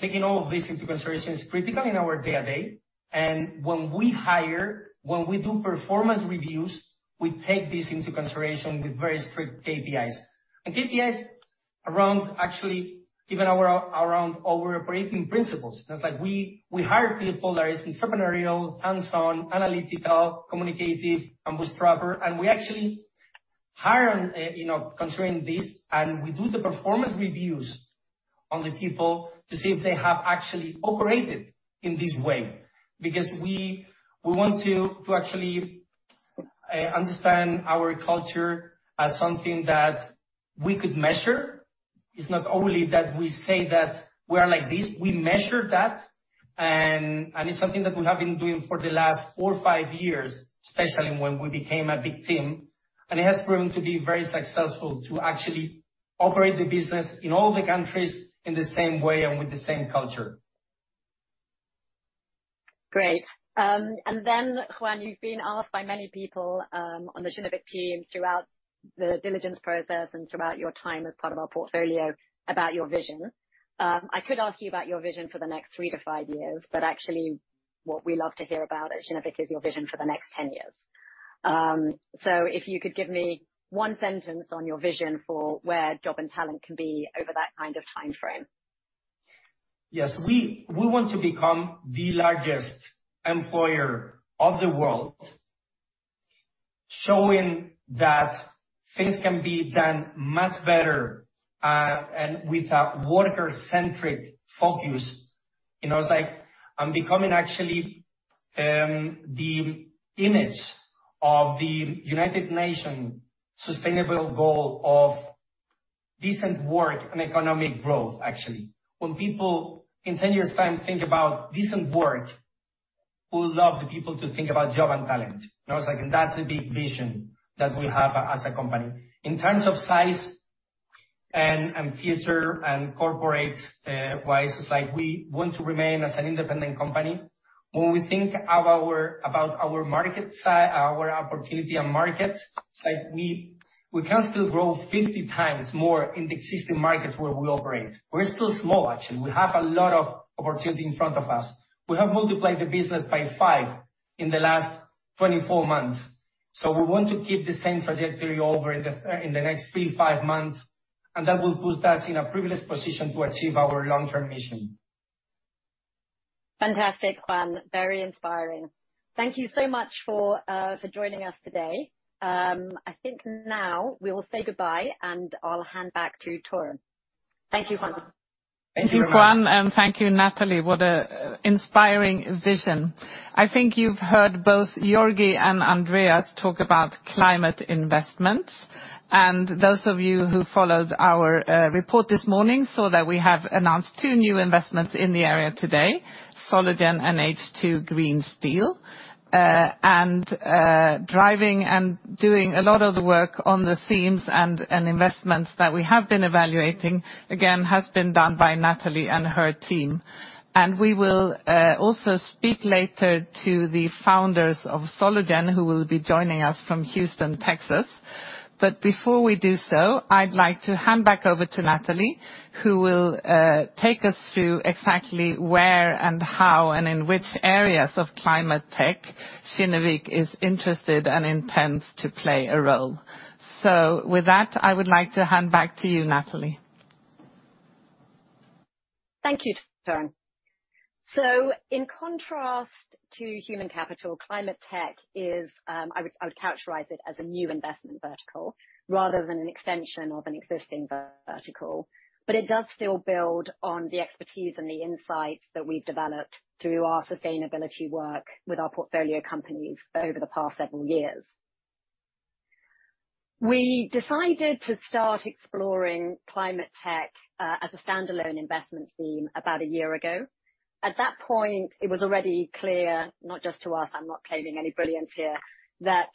taking all of this into consideration is critical in our day-to-day. When we hire, when we do performance reviews, we take this into consideration with very strict KPIs. KPIs around actually even around our operating principles. It's like we hire people that is entrepreneurial, hands-on, analytical, communicative, and bootstrapper. We actually hire, you know, considering this, and we do the performance reviews on the people to see if they have actually operated in this way. Because we want to actually understand our culture as something that we could measure. It's not only that we say that we are like this, we measure that. It's something that we have been doing for the last 4, 5 years, especially when we became a big team. It has proven to be very successful to actually operate the business in all the countries in the same way and with the same culture. Great. Juan, you've been asked by many people on the Kinnevik team throughout the diligence process and throughout your time as part of our portfolio about your vision. I could ask you about your vision for the next 3-5 years, but actually what we love to hear about at Kinnevik is your vision for the next 10 years. If you could give me one sentence on your vision for where Job&Talent can be over that kind of timeframe. Yes. We want to become the largest employer of the world, showing that things can be done much better, and with a worker-centric focus. You know, it's like I'm becoming actually the image of the United Nations sustainable goal of decent work and economic growth, actually. When people in ten years' time think about decent work, we love the people to think about Job&Talent. You know, it's like that's a big vision that we have as a company. In terms of size and future and corporate wise, it's like we want to remain as an independent company. When we think about our opportunity and market, it's like we can still grow 50 times more in the existing markets where we operate. We're still small, actually. We have a lot of opportunity in front of us. We have multiplied the business by five in the last 24 months. We want to keep the same trajectory in the next 3-5 months, and that will put us in a privileged position to achieve our long-term mission. Fantastic, Juan. Very inspiring. Thank you so much for joining us today. I think now we will say goodbye, and I'll hand back to Torun. Thank you, Juan. Thank you very much. Thank you, Juan, and thank you, Natalie. What an inspiring vision. I think you've heard both Georgi Ganev and Andreas Bernström talk about climate investments, and those of you who followed our report this morning saw that we have announced two new investments in the area today, Solugen and H2 Green Steel. Driving and doing a lot of the work behind the scenes and investments that we have been evaluating, again, has been done by Natalie and her team. We will also speak later to the founders of Solugen, who will be joining us from Houston, Texas. Before we do so, I'd like to hand back over to Natalie, who will take us through exactly where and how and in which areas of climate tech Kinnevik is interested and intends to play a role. With that, I would like to hand back to you, Natalie. Thank you, Torun. In contrast to human capital, climate tech is, I would characterize it as a new investment vertical rather than an extension of an existing vertical. It does still build on the expertise and the insights that we've developed through our sustainability work with our portfolio companies over the past several years. We decided to start exploring climate tech as a standalone investment theme about a year ago. At that point, it was already clear, not just to us, I'm not claiming any brilliance here, that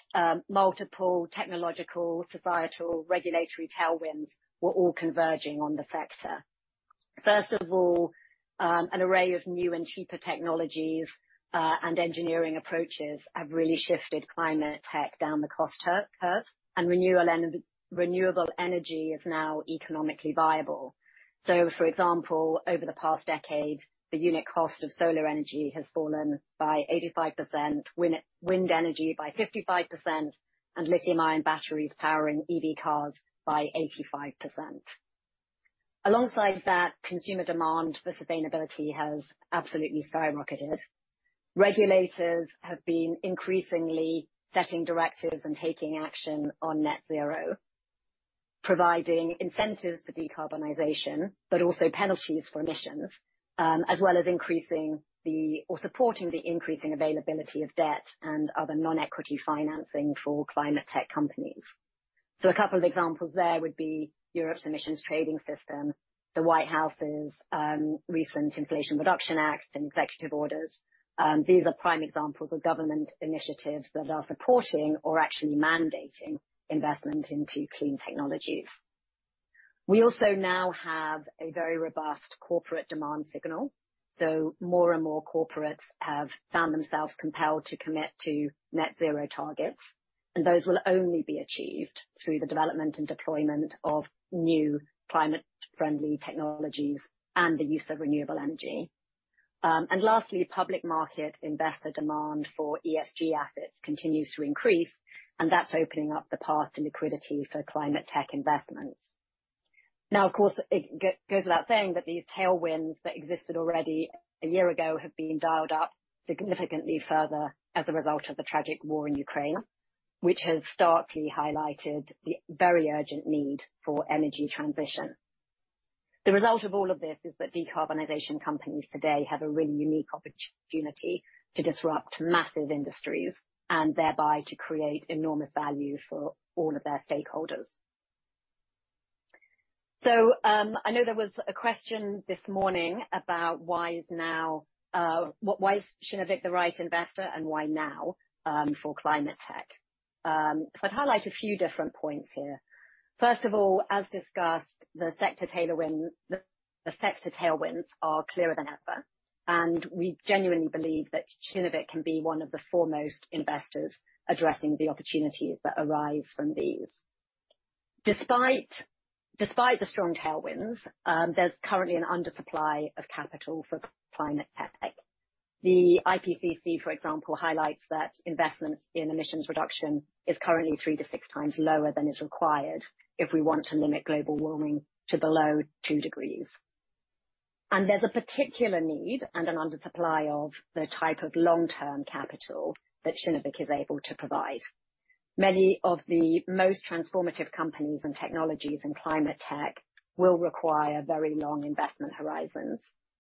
multiple technological, societal, regulatory tailwinds were all converging on the sector. First of all, an array of new and cheaper technologies and engineering approaches have really shifted climate tech down the cost curve, and renewable energy is now economically viable. For example, over the past decade, the unit cost of solar energy has fallen by 85%, wind energy by 55%, and lithium-ion batteries powering EV cars by 85%. Alongside that, consumer demand for sustainability has absolutely skyrocketed. Regulators have been increasingly setting directives and taking action on net zero, providing incentives for decarbonization, but also penalties for emissions, as well as supporting the increasing availability of debt and other non-equity financing for climate tech companies. A couple of examples there would be Europe's Emissions Trading System, the White House's recent Inflation Reduction Act and executive orders. These are prime examples of government initiatives that are supporting or actually mandating investment into clean technologies. We also now have a very robust corporate demand signal, so more and more corporates have found themselves compelled to commit to net zero targets, and those will only be achieved through the development and deployment of new climate-friendly technologies and the use of renewable energy. Lastly, public market investor demand for ESG assets continues to increase, and that's opening up the path to liquidity for climate tech investments. Now, of course, it goes without saying that these tailwinds that existed already a year ago have been dialed up significantly further as a result of the tragic war in Ukraine, which has starkly highlighted the very urgent need for energy transition. The result of all of this is that decarbonization companies today have a really unique opportunity to disrupt massive industries and thereby to create enormous value for all of their stakeholders. I know there was a question this morning about why now, why is Kinnevik the right investor and why now for climate tech? I'd highlight a few different points here. First of all, as discussed, the sector tailwinds are clearer than ever, and we genuinely believe that Kinnevik can be one of the foremost investors addressing the opportunities that arise from these. Despite the strong tailwinds, there's currently an undersupply of capital for climate tech. The IPCC, for example, highlights that investments in emissions reduction is currently 3-6 times lower than is required if we want to limit global warming to below two degrees. There's a particular need and an undersupply of the type of long-term capital that Kinnevik is able to provide. Many of the most transformative companies and technologies in climate tech will require very long investment horizons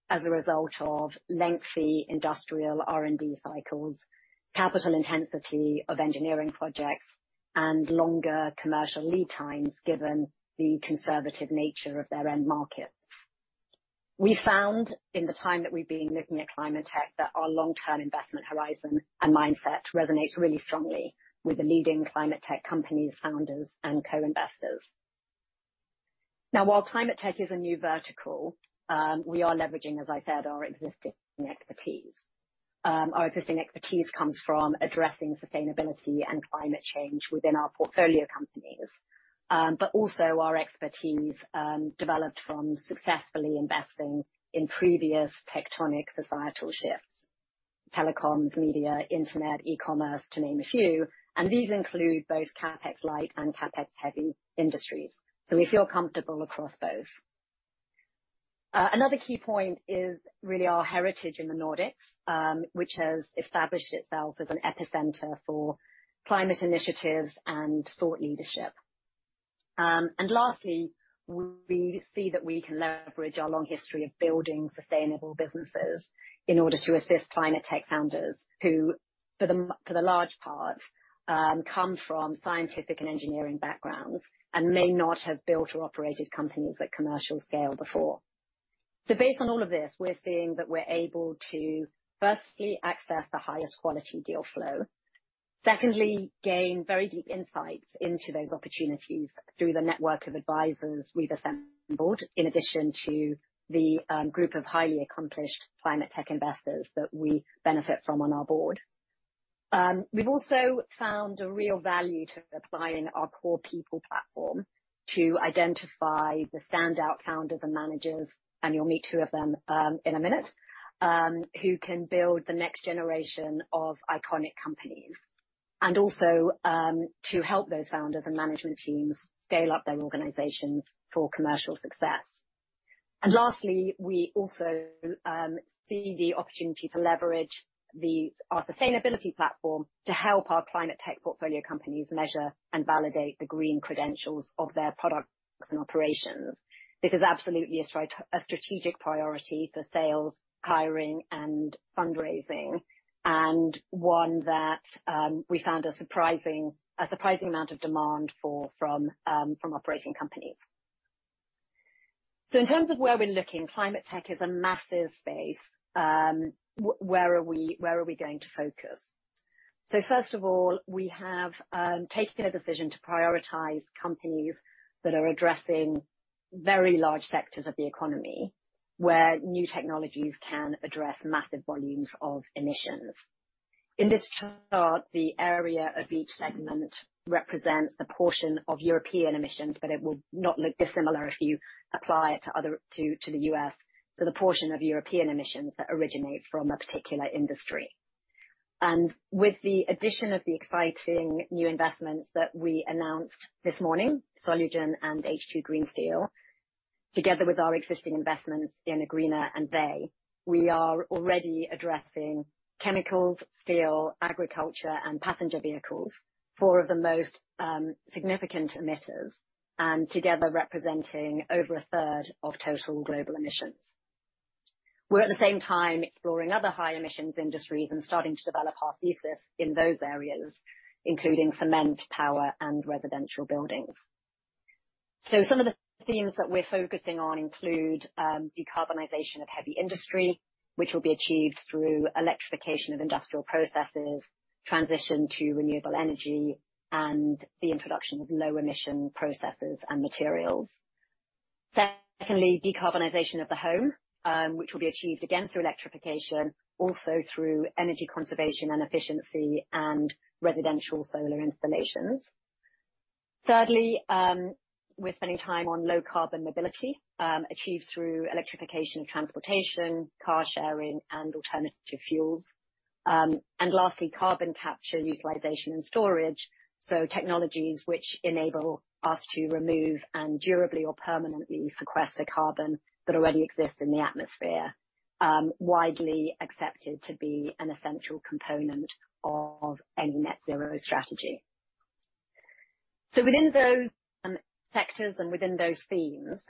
as a result of lengthy industrial R&D cycles, capital intensity of engineering projects, and longer commercial lead times, given the conservative nature of their end markets. We found in the time that we've been looking at climate tech that our long-term investment horizon and mindset resonates really strongly with the leading climate tech companies, founders, and co-investors. Now, while climate tech is a new vertical, we are leveraging, as I said, our existing expertise. Our existing expertise comes from addressing sustainability and climate change within our portfolio companies. Also our expertise, developed from successfully investing in previous tectonic societal shifts, telecoms, media, internet, e-commerce to name a few. These include both CapEx light and CapEx-heavy industries. We feel comfortable across both. Another key point is really our heritage in the Nordics, which has established itself as an epicenter for climate initiatives and thought leadership. Lastly, we see that we can leverage our long history of building sustainable businesses in order to assist climate tech founders who, for the large part, come from scientific and engineering backgrounds and may not have built or operated companies at commercial scale before. Based on all of this, we're seeing that we're able to, firstly, access the highest quality deal flow. Secondly, gain very deep insights into those opportunities through the network of advisors we've assembled, in addition to the group of highly accomplished climate tech investors that we benefit from on our board. We've also found a real value to applying our core people platform to identify the standout founders and managers, and you'll meet two of them in a minute who can build the next generation of iconic companies. Also, to help those founders and management teams scale up their organizations for commercial success. Lastly, we also see the opportunity to leverage our sustainability platform to help our climate tech portfolio companies measure and validate the green credentials of their products and operations. This is absolutely a strategic priority for sales, hiring, and fundraising, and one that we found a surprising amount of demand for from operating companies. In terms of where we're looking, climate tech is a massive space. Where are we going to focus? First of all, we have taken a decision to prioritize companies that are addressing very large sectors of the economy, where new technologies can address massive volumes of emissions. In this chart, the area of each segment represents the portion of European emissions, but it will not look dissimilar if you apply it to the US, so the portion of European emissions that originate from a particular industry. With the addition of the exciting new investments that we announced this morning, Solugen and H2 Green Steel, together with our existing investments in Agreena and Vay, we are already addressing chemicals, steel, agriculture, and passenger vehicles, four of the most significant emitters, and together representing over a third of total global emissions. We're at the same time exploring other high emissions industries and starting to develop our thesis in those areas, including cement, power, and residential buildings. Some of the themes that we're focusing on include, decarbonization of heavy industry, which will be achieved through electrification of industrial processes, transition to renewable energy, and the introduction of low emission processes and materials. Secondly, decarbonization of the home, which will be achieved again through electrification, also through energy conservation and efficiency and residential solar installations. Thirdly, we're spending time on low carbon mobility, achieved through electrification of transportation, car sharing, and alternative fuels. And lastly, carbon capture utilization and storage. Technologies which enable us to remove and durably or permanently sequester carbon that already exists in the atmosphere, widely accepted to be an essential component of any net zero strategy. Within those sectors and within those themes,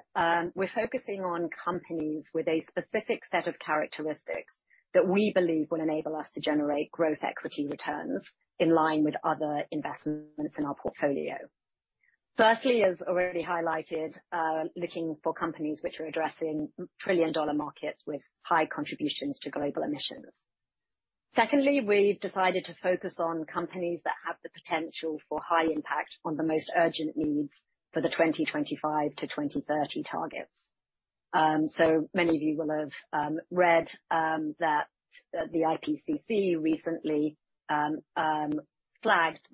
we're focusing on companies with a specific set of characteristics that we believe will enable us to generate growth equity returns in line with other investments in our portfolio. Firstly, as already highlighted, looking for companies which are addressing trillion-dollar markets with high contributions to global emissions. Secondly, we've decided to focus on companies that have the potential for high impact on the most urgent needs for the 2025 to 2030 targets. Many of you will have read that the IPCC recently flagged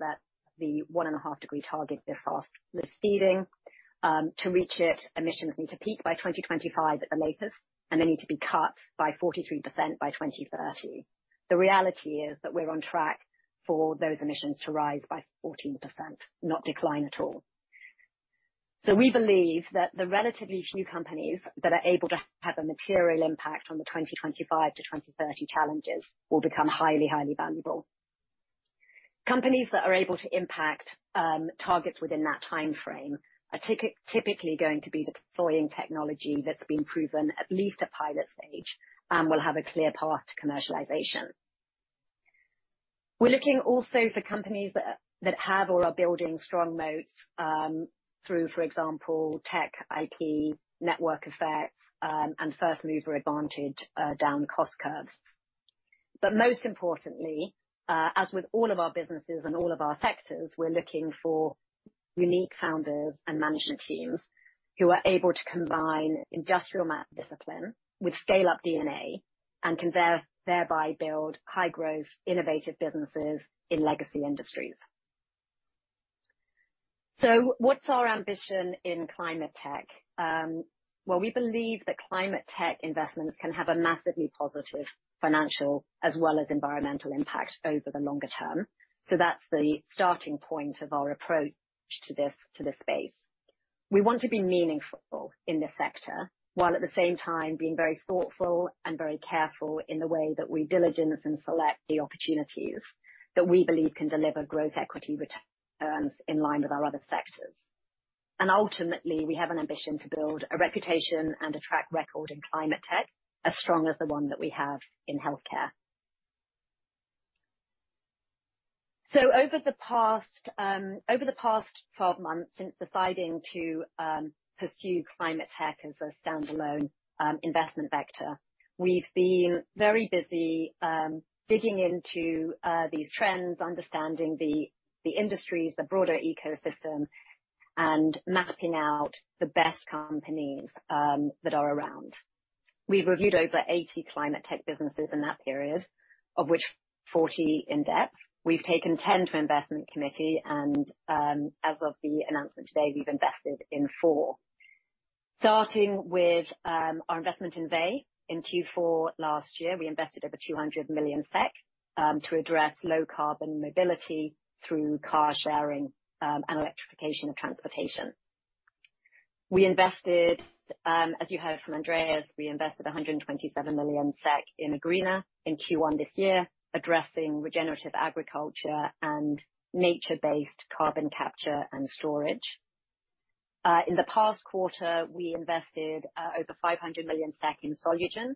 that the 1.5-degree target is fast receding. To reach it, emissions need to peak by 2025 at the latest, and they need to be cut by 43% by 2030. The reality is that we're on track for those emissions to rise by 14%, not decline at all. We believe that the relatively few companies that are able to have a material impact on the 2025-2030 challenges will become highly valuable. Companies that are able to impact targets within that timeframe are typically going to be deploying technology that's been proven at least at pilot stage and will have a clear path to commercialization. We're looking also for companies that have or are building strong moats through, for example, tech, IT, network effects, and first-mover advantage down cost curves. Most importantly, as with all of our businesses and all of our sectors, we're looking for unique founders and management teams who are able to combine industrial math discipline with scale-up DNA. Can thereby build high growth, innovative businesses in legacy industries. What's our ambition in climate tech? Well, we believe that climate tech investments can have a massively positive financial as well as environmental impact over the longer term. That's the starting point of our approach to this space. We want to be meaningful in this sector, while at the same time being very thoughtful and very careful in the way that we diligence and select the opportunities that we believe can deliver growth equity returns in line with our other sectors. Ultimately, we have an ambition to build a reputation and a track record in climate tech as strong as the one that we have in healthcare. Over the past 12 months, since deciding to pursue climate tech as a standalone investment vector, we've been very busy digging into these trends, understanding the industries, the broader ecosystem, and mapping out the best companies that are around. We've reviewed over 80 climate tech businesses in that period, of which 40 in-depth. We've taken 10 to investment committee and, as of the announcement today, we've invested in four. Starting with our investment in Vay. In Q4 last year, we invested over 200 million SEK to address low carbon mobility through car sharing and electrification of transportation. We invested, as you heard from Andreas, we invested 127 million SEK in Agreena in Q1 this year, addressing regenerative agriculture and nature-based carbon capture and storage. In the past quarter, we invested over 500 million SEK in Solugen,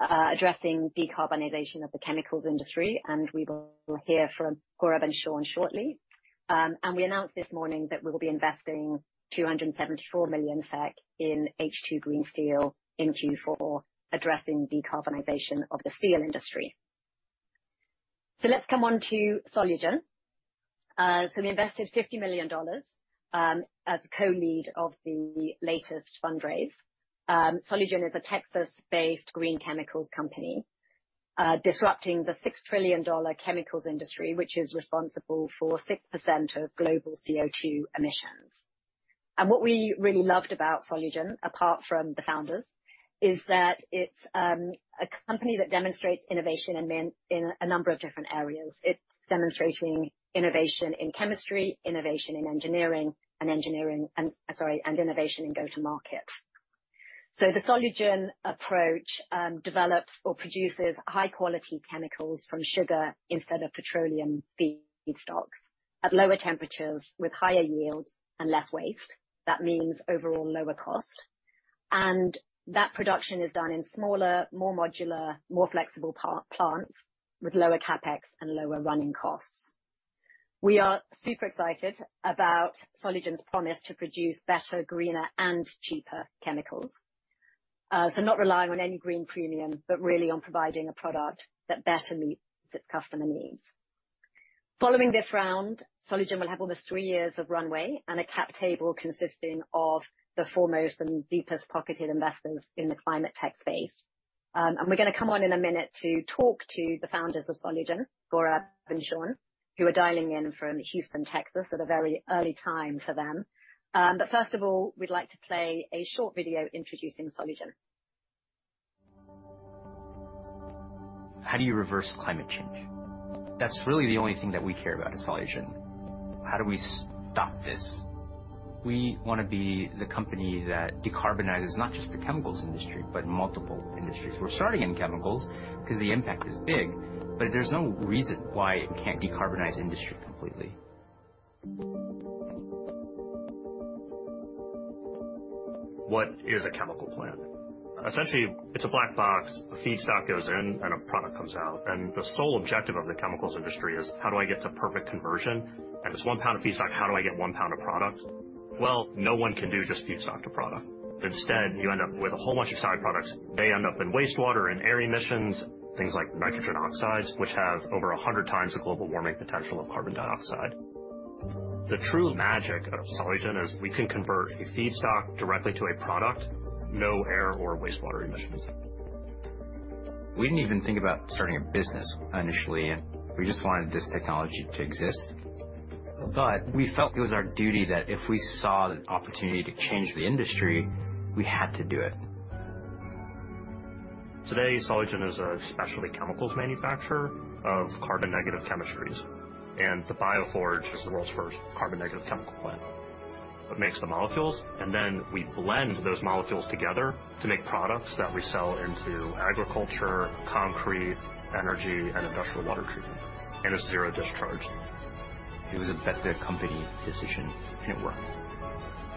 addressing decarbonization of the chemicals industry, and we will hear from Gaurab and Sean shortly. We announced this morning that we will be investing 274 million SEK in H2 Green Steel in Q4, addressing decarbonization of the steel industry. Let's come on to Solugen. We invested $50 million, as a co-lead of the latest fundraise. Solugen is a Texas-based green chemicals company, disrupting the $6 trillion chemicals industry, which is responsible for 6% of global CO2 emissions. What we really loved about Solugen, apart from the founders, is that it's a company that demonstrates innovation in a number of different areas. It's demonstrating innovation in chemistry, innovation in engineering, and innovation in go-to-market. The Solugen approach develops or produces high-quality chemicals from sugar instead of petroleum feedstocks at lower temperatures with higher yields and less waste. That means overall lower cost. That production is done in smaller, more modular, more flexible plants with lower CapEx and lower running costs. We are super excited about Solugen's promise to produce better, greener and cheaper chemicals, not relying on any green premium, but really on providing a product that better meets its customer needs. Following this round, Solugen will have almost three years of runway and a cap table consisting of the foremost and deepest-pocketed investors in the climate tech space. We're gonna come on in a minute to talk to the founders of Solugen, Gaurab and Sean, who are dialing in from Houston, Texas, at a very early time for them. First of all, we'd like to play a short video introducing Solugen. How do you reverse climate change? That's really the only thing that we care about at Solugen. How do we stop this? We wanna be the company that decarbonizes not just the chemicals industry, but multiple industries. We're starting in chemicals 'cause the impact is big, but there's no reason why it can't decarbonize industry completely. What is a chemical plant? Essentially, it's a black box. A feedstock goes in and a product comes out, and the sole objective of the chemicals industry is how do I get to perfect conversion? Out of this one pound of feedstock, how do I get one pound of product? Well, no one can do just feedstock to product. Instead, you end up with a whole bunch of side products. They end up in wastewater and air emissions, things like nitrogen oxides, which have over 100 times the global warming potential of carbon dioxide. The true magic of Solugen is we can convert a feedstock directly to a product, no air or wastewater emissions. We didn't even think about starting a business initially. We just wanted this technology to exist. We felt it was our duty that if we saw an opportunity to change the industry, we had to do it. Today, Solugen is a specialty chemicals manufacturer of carbon negative chemistries, and the Bioforge is the world's first carbon negative chemical plant. It makes the molecules, and then we blend those molecules together to make products that we sell into agriculture, concrete, energy and industrial water treatment. There's zero discharge. It was a bet-the-company decision, and it worked.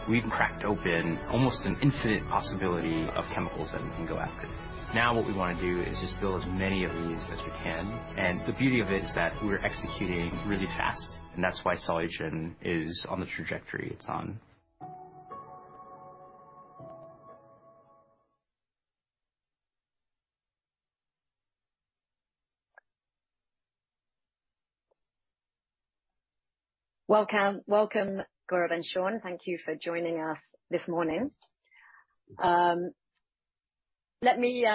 We've cracked open almost an infinite possibility of chemicals that we can go after. Now what we wanna do is just build as many of these as we can, and the beauty of it is that we're executing really fast, and that's why Solugen is on the trajectory it's on. Welcome. Welcome, Gaurab and Sean. Thank you for joining us this morning. Let me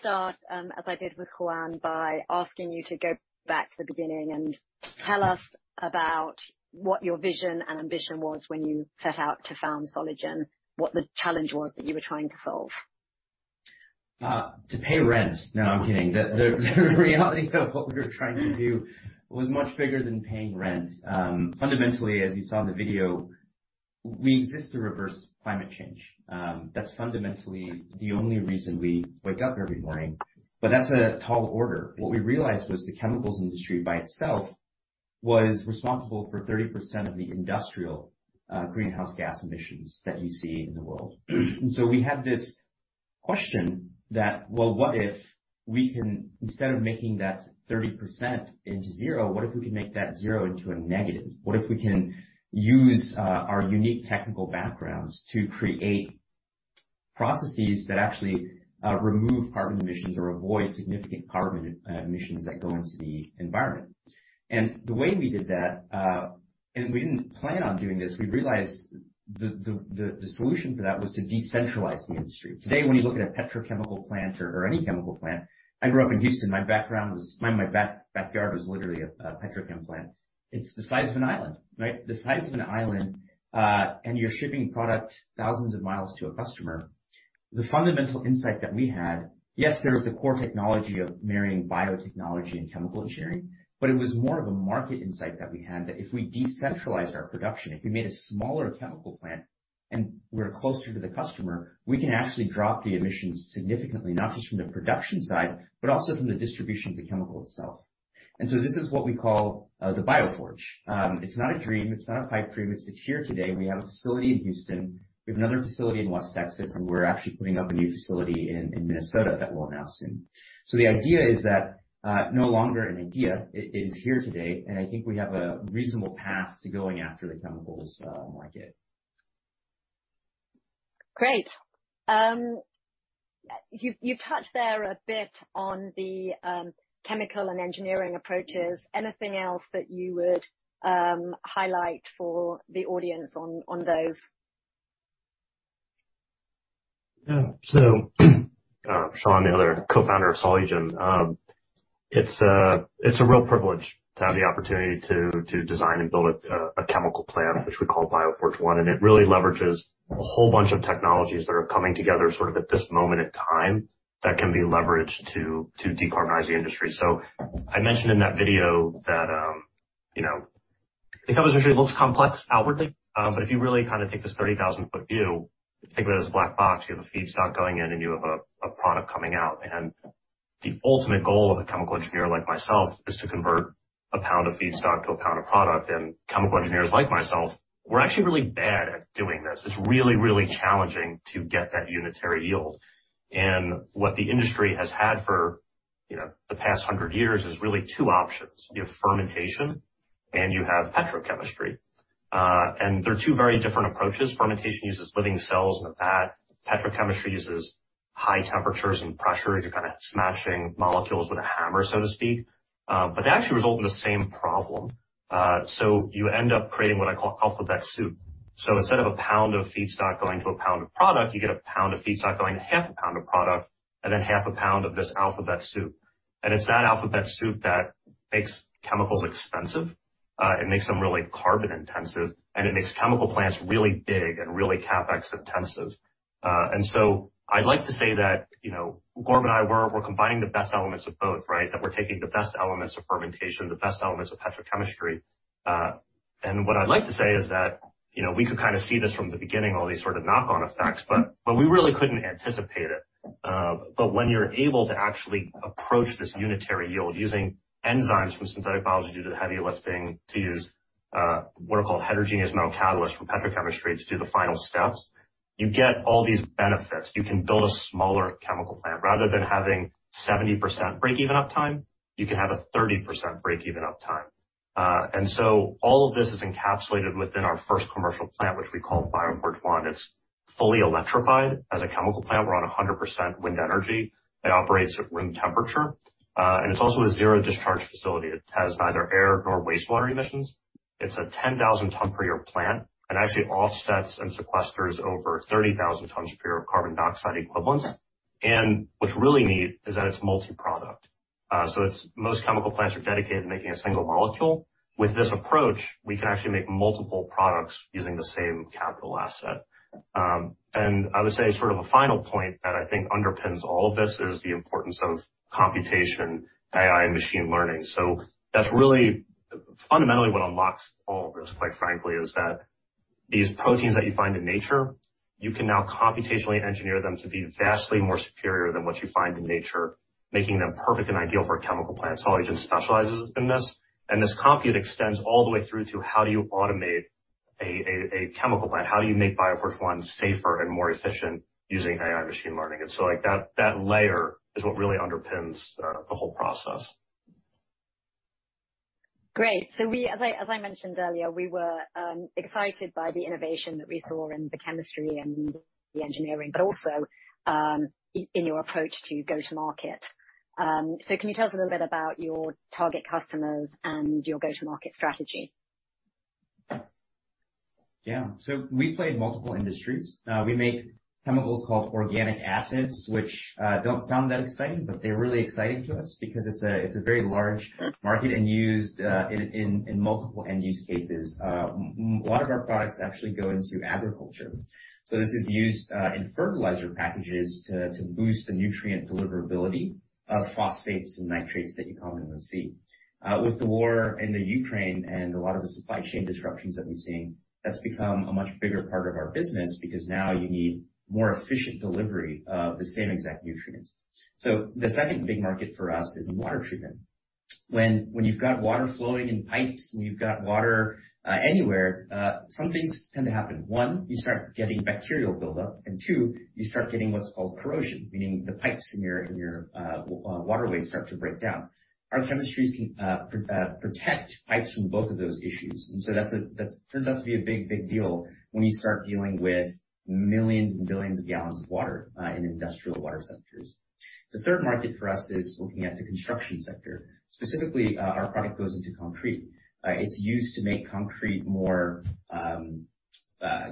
start, as I did with Juan, by asking you to go back to the beginning and tell us about what your vision and ambition was when you set out to found Solugen, what the challenge was that you were trying to solve? To pay rent. No, I'm kidding. The reality of what we were trying to do was much bigger than paying rent. Fundamentally, as you saw in the video, we exist to reverse climate change. That's fundamentally the only reason we wake up every morning, but that's a tall order. What we realized was the chemicals industry by itself was responsible for 30% of the industrial greenhouse gas emissions that you see in the world. We had this question that, well, what if we can. Instead of making that 30% into zero, what if we can make that zero into a negative? What if we can use our unique technical backgrounds to create processes that actually remove carbon emissions or avoid significant carbon emissions that go into the environment? The way we did that, and we didn't plan on doing this, we realized the solution for that was to decentralize the industry. Today, when you look at a petrochemical plant or any chemical plant. I grew up in Houston. My backyard was literally a petrochemical plant. It's the size of an island, right? The size of an island, and you're shipping product thousands of miles to a customer. The fundamental insight that we had, yes, there was the core technology of marrying biotechnology and chemical engineering, but it was more of a market insight that we had, that if we decentralized our production, if we made a smaller chemical plant and we're closer to the customer, we can actually drop the emissions significantly, not just from the production side, but also from the distribution of the chemical itself. This is what we call the Bioforge. It's not a dream, it's not a pipe dream. It's here today. We have a facility in Houston. We have another facility in West Texas, and we're actually putting up a new facility in Minnesota that we'll announce soon. The idea is that no longer an idea. It is here today, and I think we have a reasonable path to going after the chemicals market. Great. You've touched there a bit on the chemical and engineering approaches. Anything else that you would highlight for the audience on those? Yeah. Sean Hunt, co-founder of Solugen. It's a real privilege to have the opportunity to design and build a chemical plant, which we call Bioforge One, and it really leverages a whole bunch of technologies that are coming together sort of at this moment in time that can be leveraged to decarbonize the industry. I mentioned in that video that you know, the chemicals industry looks complex outwardly, but if you really kind of take this 30,000-foot view, think of it as a black box. You have a feedstock going in and you have a product coming out. The ultimate goal of a chemical engineer like myself is to convert a pound of feedstock to a pound of product. Chemical engineers like myself, we're actually really bad at doing this. It's really, really challenging to get that unitary yield. What the industry has had for, you know, the past 100 years is really two options. You have fermentation and you have petrochemistry. They're two very different approaches. Fermentation uses living cells in a vat. Petrochemistry uses high temperatures and pressures. You're kinda smashing molecules with a hammer, so to speak. But they actually result in the same problem. You end up creating what I call alphabet soup. Instead of a pound of feedstock going to a pound of product, you get a pound of feedstock going to half a pound of product and then half a pound of this alphabet soup. It's that alphabet soup that makes chemicals expensive. It makes them really carbon intensive, and it makes chemical plants really big and really CapEx intensive. I'd like to say that, you know, Gaurab and I we're combining the best elements of both, right? That we're taking the best elements of fermentation, the best elements of petrochemistry. What I'd like to say is that, you know, we could kinda see this from the beginning, all these sort of knock-on effects, but we really couldn't anticipate it. When you're able to actually approach this unitary yield using enzymes from synthetic biology to do the heavy lifting, to use what are called heterogeneous metal catalysts from petrochemistry to do the final steps, you get all these benefits. You can build a smaller chemical plant. Rather than having 70% break-even uptime, you can have a 30% break-even uptime. All of this is encapsulated within our first commercial plant, which we call Bioforge One. It's fully electrified as a chemical plant. We're on 100% wind energy. It operates at room temperature. It's also a zero discharge facility. It has neither air nor wastewater emissions. It's a 10,000-ton per year plant. It actually offsets and sequesters over 30,000 tons per year of carbon dioxide equivalents. What's really neat is that it's multi-product. Most chemical plants are dedicated to making a single molecule. With this approach, we can actually make multiple products using the same capital asset. I would say sort of a final point that I think underpins all of this is the importance of computation, AI, and machine learning. That's really fundamentally what unlocks all of this, quite frankly, is that these proteins that you find in nature, you can now computationally engineer them to be vastly more superior than what you find in nature, making them perfect and ideal for a chemical plant. Solugen specializes in this, and this compute extends all the way through to how do you automate a chemical plant. How do you make Bioforge One safer and more efficient using AI machine learning? Like, that layer is what really underpins the whole process. Great. As I mentioned earlier, excited by the innovation that we saw in the chemistry and the engineering, but also, in your approach to go-to-market. Can you tell us a little bit about your target customers and your go-to-market strategy? Yeah. We play in multiple industries. We make chemicals called organic acids, which don't sound that exciting, but they're really exciting to us because it's a very large market and used in multiple end-use cases. A lot of our products actually go into agriculture. This is used in fertilizer packages to boost the nutrient deliverability of phosphates and nitrates that you commonly see. With the war in the Ukraine and a lot of the supply chain disruptions that we're seeing, that's become a much bigger part of our business because now you need more efficient delivery of the same exact nutrients. The second big market for us is water treatment. When you've got water flowing in pipes, when you've got water anywhere, some things tend to happen. One, you start getting bacterial buildup, and two, you start getting what's called corrosion, meaning the pipes in your waterways start to break down. Our chemistries can protect pipes from both of those issues. That turns out to be a big deal when you start dealing with millions and billions of gallons of water in industrial water sectors. The third market for us is looking at the construction sector. Specifically, our product goes into concrete. It's used to make concrete more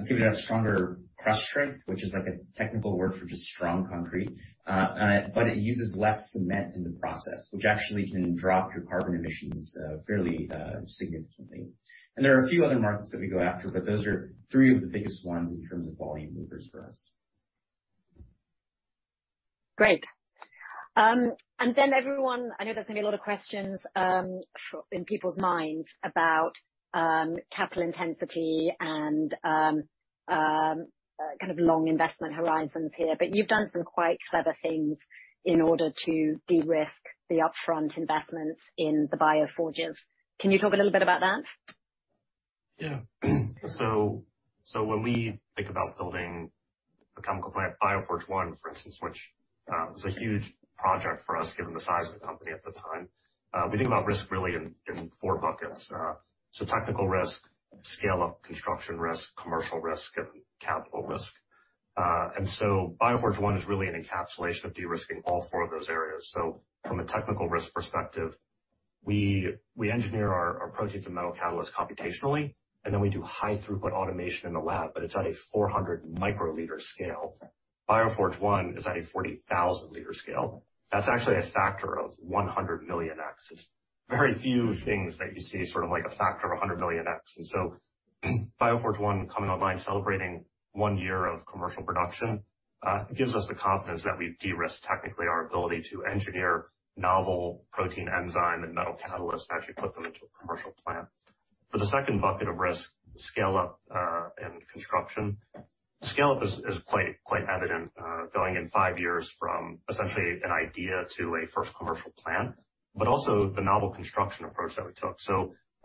give it a stronger crush strength, which is like a technical word for just strong concrete. It uses less cement in the process, which actually can drop your carbon emissions fairly significantly. There are a few other markets that we go after, but those are three of the biggest ones in terms of volume movers for us. Great. Everyone, I know there's gonna be a lot of questions in people's minds about capital intensity and kind of long investment horizons here, but you've done some quite clever things in order to de-risk the upfront investments in the Bioforges. Can you talk a little bit about that? Yeah. When we think about building a chemical plant, Bioforge One, for instance, which was a huge project for us, given the size of the company at the time. We think about risk really in four buckets. Technical risk, scale-up construction risk, commercial risk, and capital risk. Bioforge One is really an encapsulation of de-risking all four of those areas. From a technical risk perspective, we engineer our proteins and metal catalysts computationally, and then we do high throughput automation in the lab, but it's at a 400 microliter scale. Bioforge One is at a 40,000 liter scale. That's actually a factor of 100 million x. It's very few things that you see sort of like a factor of 100 million x. Bioforge One coming online, celebrating one year of commercial production, gives us the confidence that we've de-risked technically our ability to engineer novel protein enzyme and metal catalysts to actually put them into a commercial plant. For the second bucket of risk, scale-up, and construction. Scale-up is quite evident, going in five years from essentially an idea to a first commercial plant, but also the novel construction approach that we took.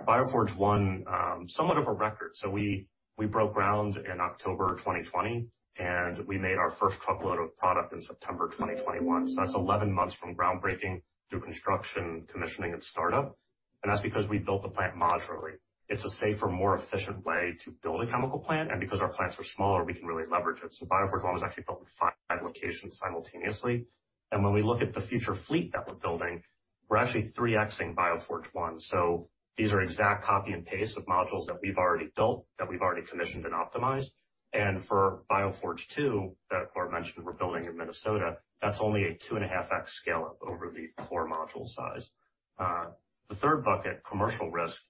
Bioforge One, somewhat of a record. We broke ground in October 2020, and we made our first truckload of product in September 2021. That's 11 months from groundbreaking through construction, commissioning, and startup. That's because we built the plant modularly. It's a safer, more efficient way to build a chemical plant. Because our plants are smaller, we can really leverage it. Bioforge one was actually built in five locations simultaneously. When we look at the future fleet that we're building, we're actually 3x-ing Bioforge one. These are exact copy and paste of modules that we've already built, that we've already commissioned and optimized. For Bioforge Marshall that Gaurab mentioned we're building in Minnesota, that's only a 2.5x scale-up over the core module size. The third bucket, commercial risk.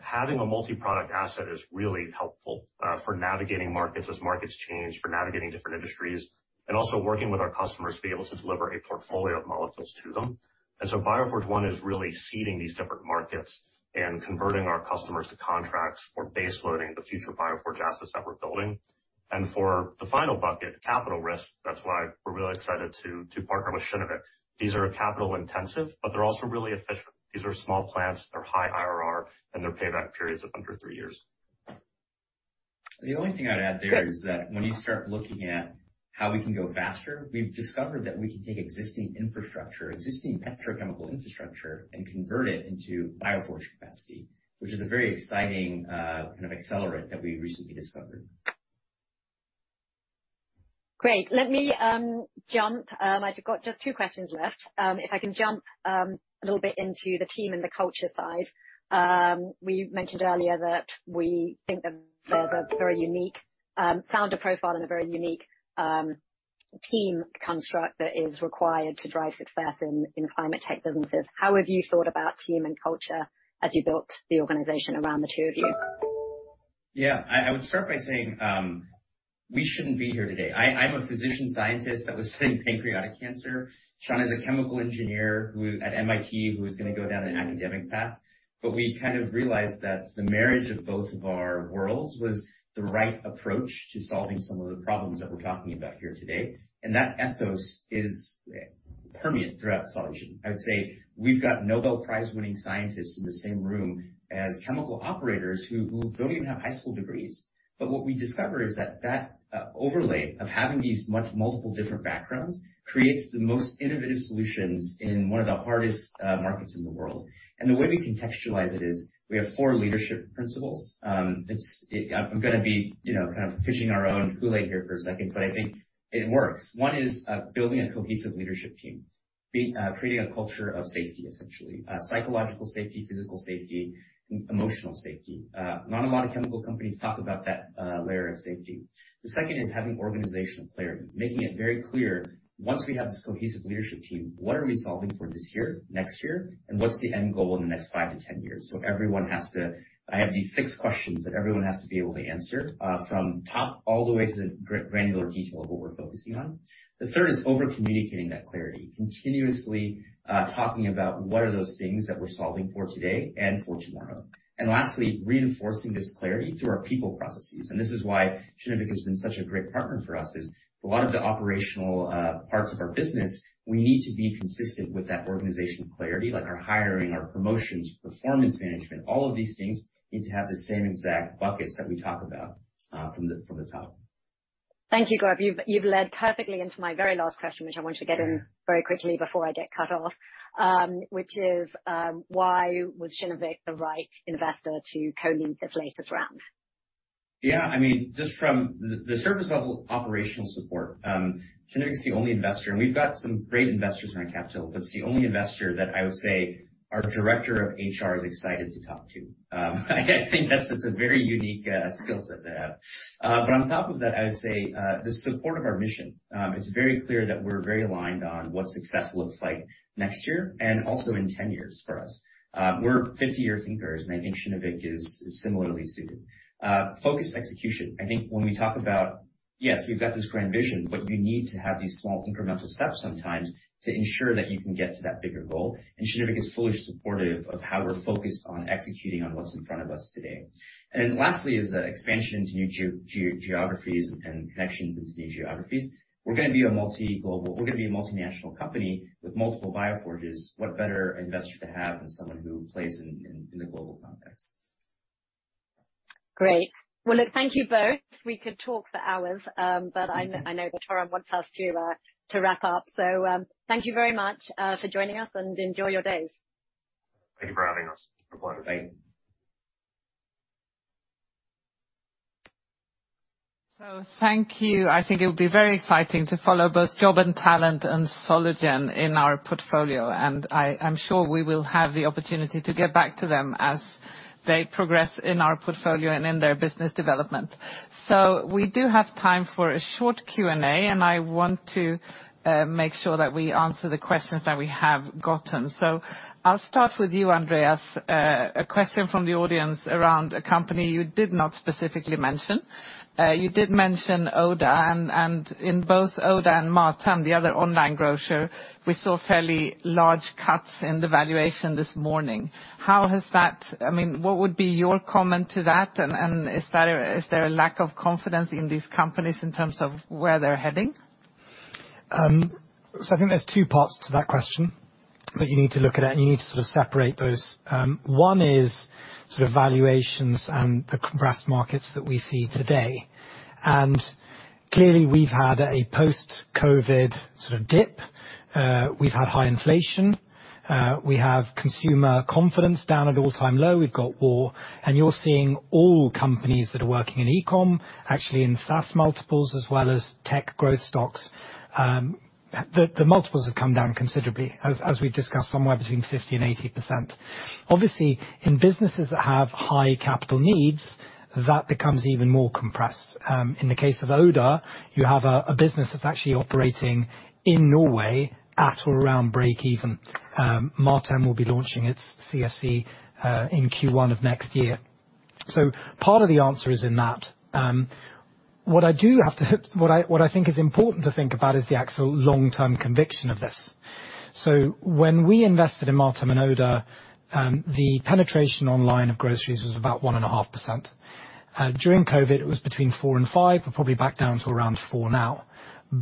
Having a multi-product asset is really helpful for navigating markets as markets change, for navigating different industries, and also working with our customers to be able to deliver a portfolio of molecules to them. Bioforge one is really seeding these different markets and converting our customers to contracts for base loading the future Bioforge assets that we're building. For the final bucket, capital risk, that's why we're really excited to partner with Kinnevik. These are capital intensive, but they're also really efficient. These are small plants, they're high IRR, and their payback periods of under three years. The only thing I'd add there is that when you start looking at how we can go faster, we've discovered that we can take existing infrastructure, existing petrochemical infrastructure, and convert it into Bioforge capacity, which is a very exciting, kind of accelerant that we recently discovered. Great. Let me jump. I've got just two questions left. If I can jump a little bit into the team and the culture side. We mentioned earlier that we think that there's a very unique founder profile and a very unique team construct that is required to drive success in climate tech businesses. How have you thought about team and culture as you built the organization around the two of you? Yeah. I would start by saying we shouldn't be here today. I'm a physician scientist that was studying pancreatic cancer. Sean is a chemical engineer at MIT who was gonna go down an academic path. We kind of realized that the marriage of both of our worlds was the right approach to solving some of the problems that we're talking about here today. That ethos permeates throughout Solugen. I would say we've got Nobel Prize-winning scientists in the same room as chemical operators who don't even have high school degrees. What we discover is that overlay of having these multiple different backgrounds creates the most innovative solutions in one of the hardest markets in the world. The way we contextualize it is we have four leadership principles. I'm gonna be, you know, kind of drinking our own Kool-Aid here for a second, but I think it works. One is building a cohesive leadership team. Creating a culture of safety, essentially, psychological safety, physical safety, emotional safety. Not a lot of chemical companies talk about that layer of safety. The second is having organizational clarity, making it very clear, once we have this cohesive leadership team, what are we solving for this year, next year, and what's the end goal in the next 5-10 years? So everyone has to be able to answer. I have these six questions that everyone has to be able to answer, from top all the way to the granular detail of what we're focusing on. The third is overcommunicating that clarity. Continuously talking about what are those things that we're solving for today and for tomorrow. Lastly, reinforcing this clarity through our people processes. This is why Kinnevik has been such a great partner for us, it's a lot of the operational parts of our business. We need to be consistent with that organizational clarity, like our hiring, our promotions, performance management. All of these things need to have the same exact buckets that we talk about from the top. Thank you, Gaurab. You've led perfectly into my very last question, which I want to get in very quickly before I get cut off. Which is, why was Kinnevik the right investor to co-lead this latest round? Yeah, I mean, just from the surface level operational support, Kinnevik's the only investor, and we've got some great investors in our cap table, but it's the only investor that I would say our director of HR is excited to talk to. I think that's just a very unique skill set to have. But on top of that, I would say the support of our mission, it's very clear that we're very aligned on what success looks like next year and also in 10 years for us. We're 50 year thinkers, and I think Kinnevik is similarly suited. Focused execution. I think when we talk about, yes, we've got this grand vision, but you need to have these small incremental steps sometimes to ensure that you can get to that bigger goal. Kinnevik is fully supportive of how we're focused on executing on what's in front of us today. Lastly is the expansion into new geographies and connections into new geographies. We're gonna be a multinational company with multiple Bioforges. What better investor to have than someone who plays in the global context? Great. Well, look, thank you both. We could talk for hours, but I know that Torun wants us to wrap up. Thank you very much for joining us, and enjoy your days. Thank you for having us. Thank you. I think it will be very exciting to follow both Job&Talent and Solugen in our portfolio, and I'm sure we will have the opportunity to get back to them as they progress in our portfolio and in their business development. We do have time for a short Q&A, and I want to make sure that we answer the questions that we have gotten. I'll start with you, Andreas. A question from the audience around a company you did not specifically mention. You did mention Oda and in both Oda and Mathem, the other online grocer, we saw fairly large cuts in the valuation this morning. How has that? I mean, what would be your comment to that, and is there a lack of confidence in these companies in terms of where they're heading? I think there's two parts to that question that you need to look at, and you need to sort of separate those. One is sort of valuations and the compressed markets that we see today. Clearly, we've had a post-COVID sort of dip. We've had high inflation. We have consumer confidence down at all-time low. We've got war. You're seeing all companies that are working in e-com, actually in SaaS multiples, as well as tech growth stocks. The multiples have come down considerably as we've discussed, somewhere between 50% and 80%. Obviously, in businesses that have high capital needs, that becomes even more compressed. In the case of Oda, you have a business that's actually operating in Norway at or around breakeven. Mathem will be launching its CFC in Q1 of next year. Part of the answer is in that. What I think is important to think about is the actual long-term conviction of this. When we invested in Mathem and Oda, the penetration online of groceries was about 1.5%. During COVID, it was between 4% and 5%, and probably back down to around 4% now.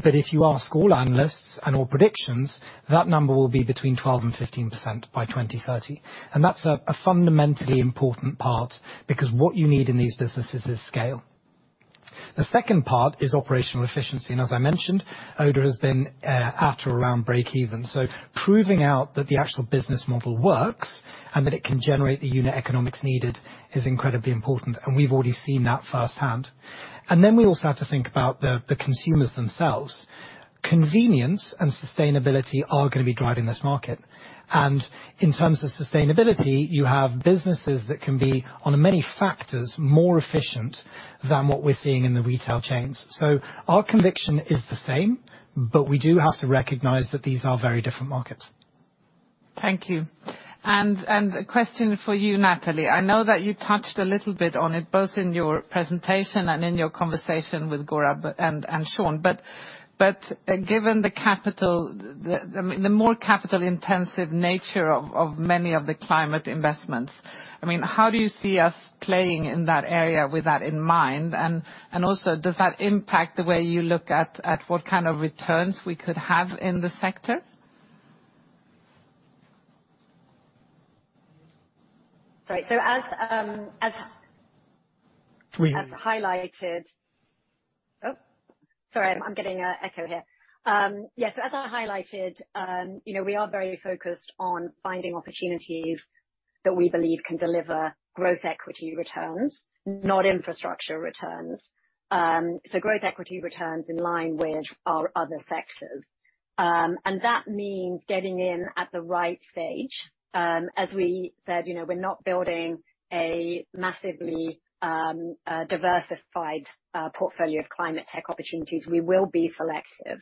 If you ask all analysts and all predictions, that number will be between 12% and 15% by 2030. That's a fundamentally important part because what you need in these businesses is scale. The second part is operational efficiency, and as I mentioned, Oda has been at or around breakeven. Proving out that the actual business model works and that it can generate the unit economics needed is incredibly important, and we've already seen that firsthand. We also have to think about the consumers themselves. Convenience and sustainability are gonna be driving this market. In terms of sustainability, you have businesses that can be, on many factors, more efficient than what we're seeing in the retail chains. Our conviction is the same, but we do have to recognize that these are very different markets. Thank you. A question for you, Natalie. I know that you touched a little bit on it, both in your presentation and in your conversation with Gaurab and Sean. Given the capital, the, I mean, the more capital intensive nature of many of the climate investments, I mean, how do you see us playing in that area with that in mind? Also, does that impact the way you look at what kind of returns we could have in the sector? Sorry. As I highlighted, you know, we are very focused on finding opportunities that we believe can deliver growth equity returns, not infrastructure returns. Growth equity returns in line with our other sectors. That means getting in at the right stage. As we said, you know, we're not building a massively diversified portfolio of climate tech opportunities. We will be selective.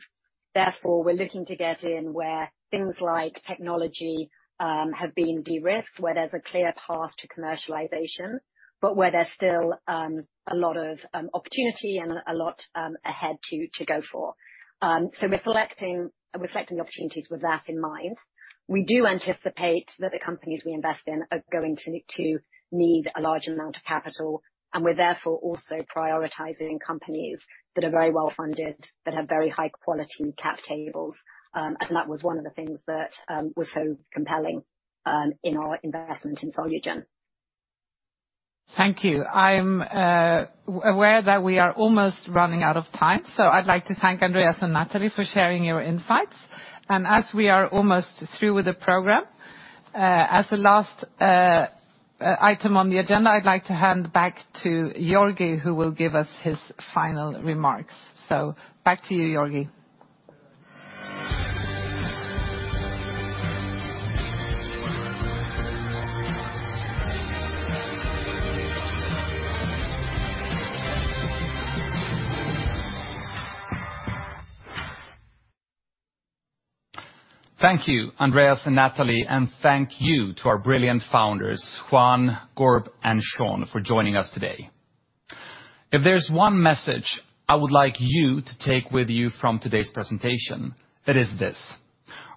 Therefore, we're looking to get in where things like technology have been de-risked, where there's a clear path to commercialization, but where there's still a lot of opportunity and a lot ahead to go for. We're selecting opportunities with that in mind. We do anticipate that the companies we invest in are going to need a large amount of capital, and we're therefore also prioritizing companies that are very well-funded, that have very high-quality cap tables. That was one of the things that was so compelling in our investment in Solugen. Thank you. I'm aware that we are almost running out of time, so I'd like to thank Andreas and Natalie for sharing your insights. As we are almost through with the program, as a last item on the agenda, I'd like to hand back to Georgi, who will give us his final remarks. Back to you, Georgi. Thank you, Andreas and Natalie, and thank you to our brilliant founders, Juan, Gaurab, and Sean, for joining us today. If there's one message I would like you to take with you from today's presentation, it is this: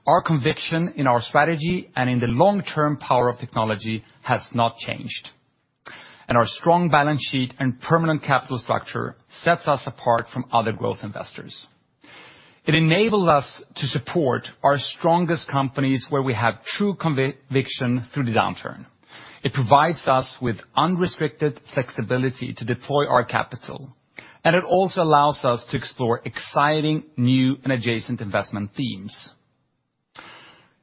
Our conviction in our strategy and in the long-term power of technology has not changed, and our strong balance sheet and permanent capital structure sets us apart from other growth investors. It enables us to support our strongest companies where we have true conviction through the downturn. It provides us with unrestricted flexibility to deploy our capital, and it also allows us to explore exciting new and adjacent investment themes.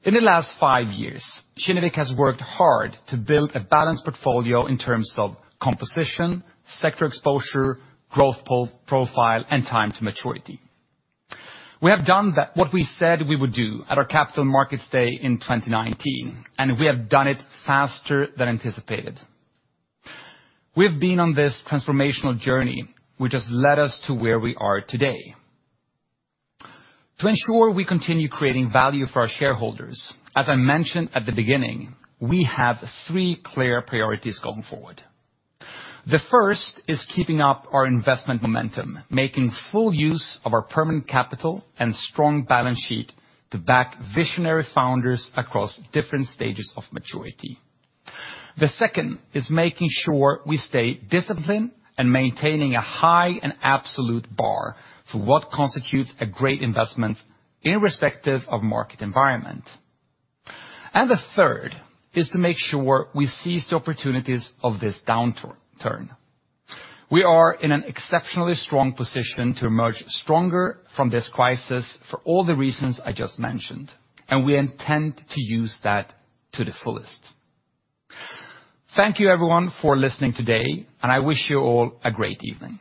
In the last five years, Kinnevik has worked hard to build a balanced portfolio in terms of composition, sector exposure, growth profile, and time to maturity. We have done that, what we said we would do at our Capital Markets Day in 2019, and we have done it faster than anticipated. We've been on this transformational journey which has led us to where we are today. To ensure we continue creating value for our shareholders, as I mentioned at the beginning, we have three clear priorities going forward. The first is keeping up our investment momentum, making full use of our permanent capital and strong balance sheet to back visionary founders across different stages of maturity. The second is making sure we stay disciplined and maintaining a high and absolute bar for what constitutes a great investment irrespective of market environment. The third is to make sure we seize the opportunities of this downturn. We are in an exceptionally strong position to emerge stronger from this crisis for all the reasons I just mentioned, and we intend to use that to the fullest. Thank you, everyone, for listening today, and I wish you all a great evening.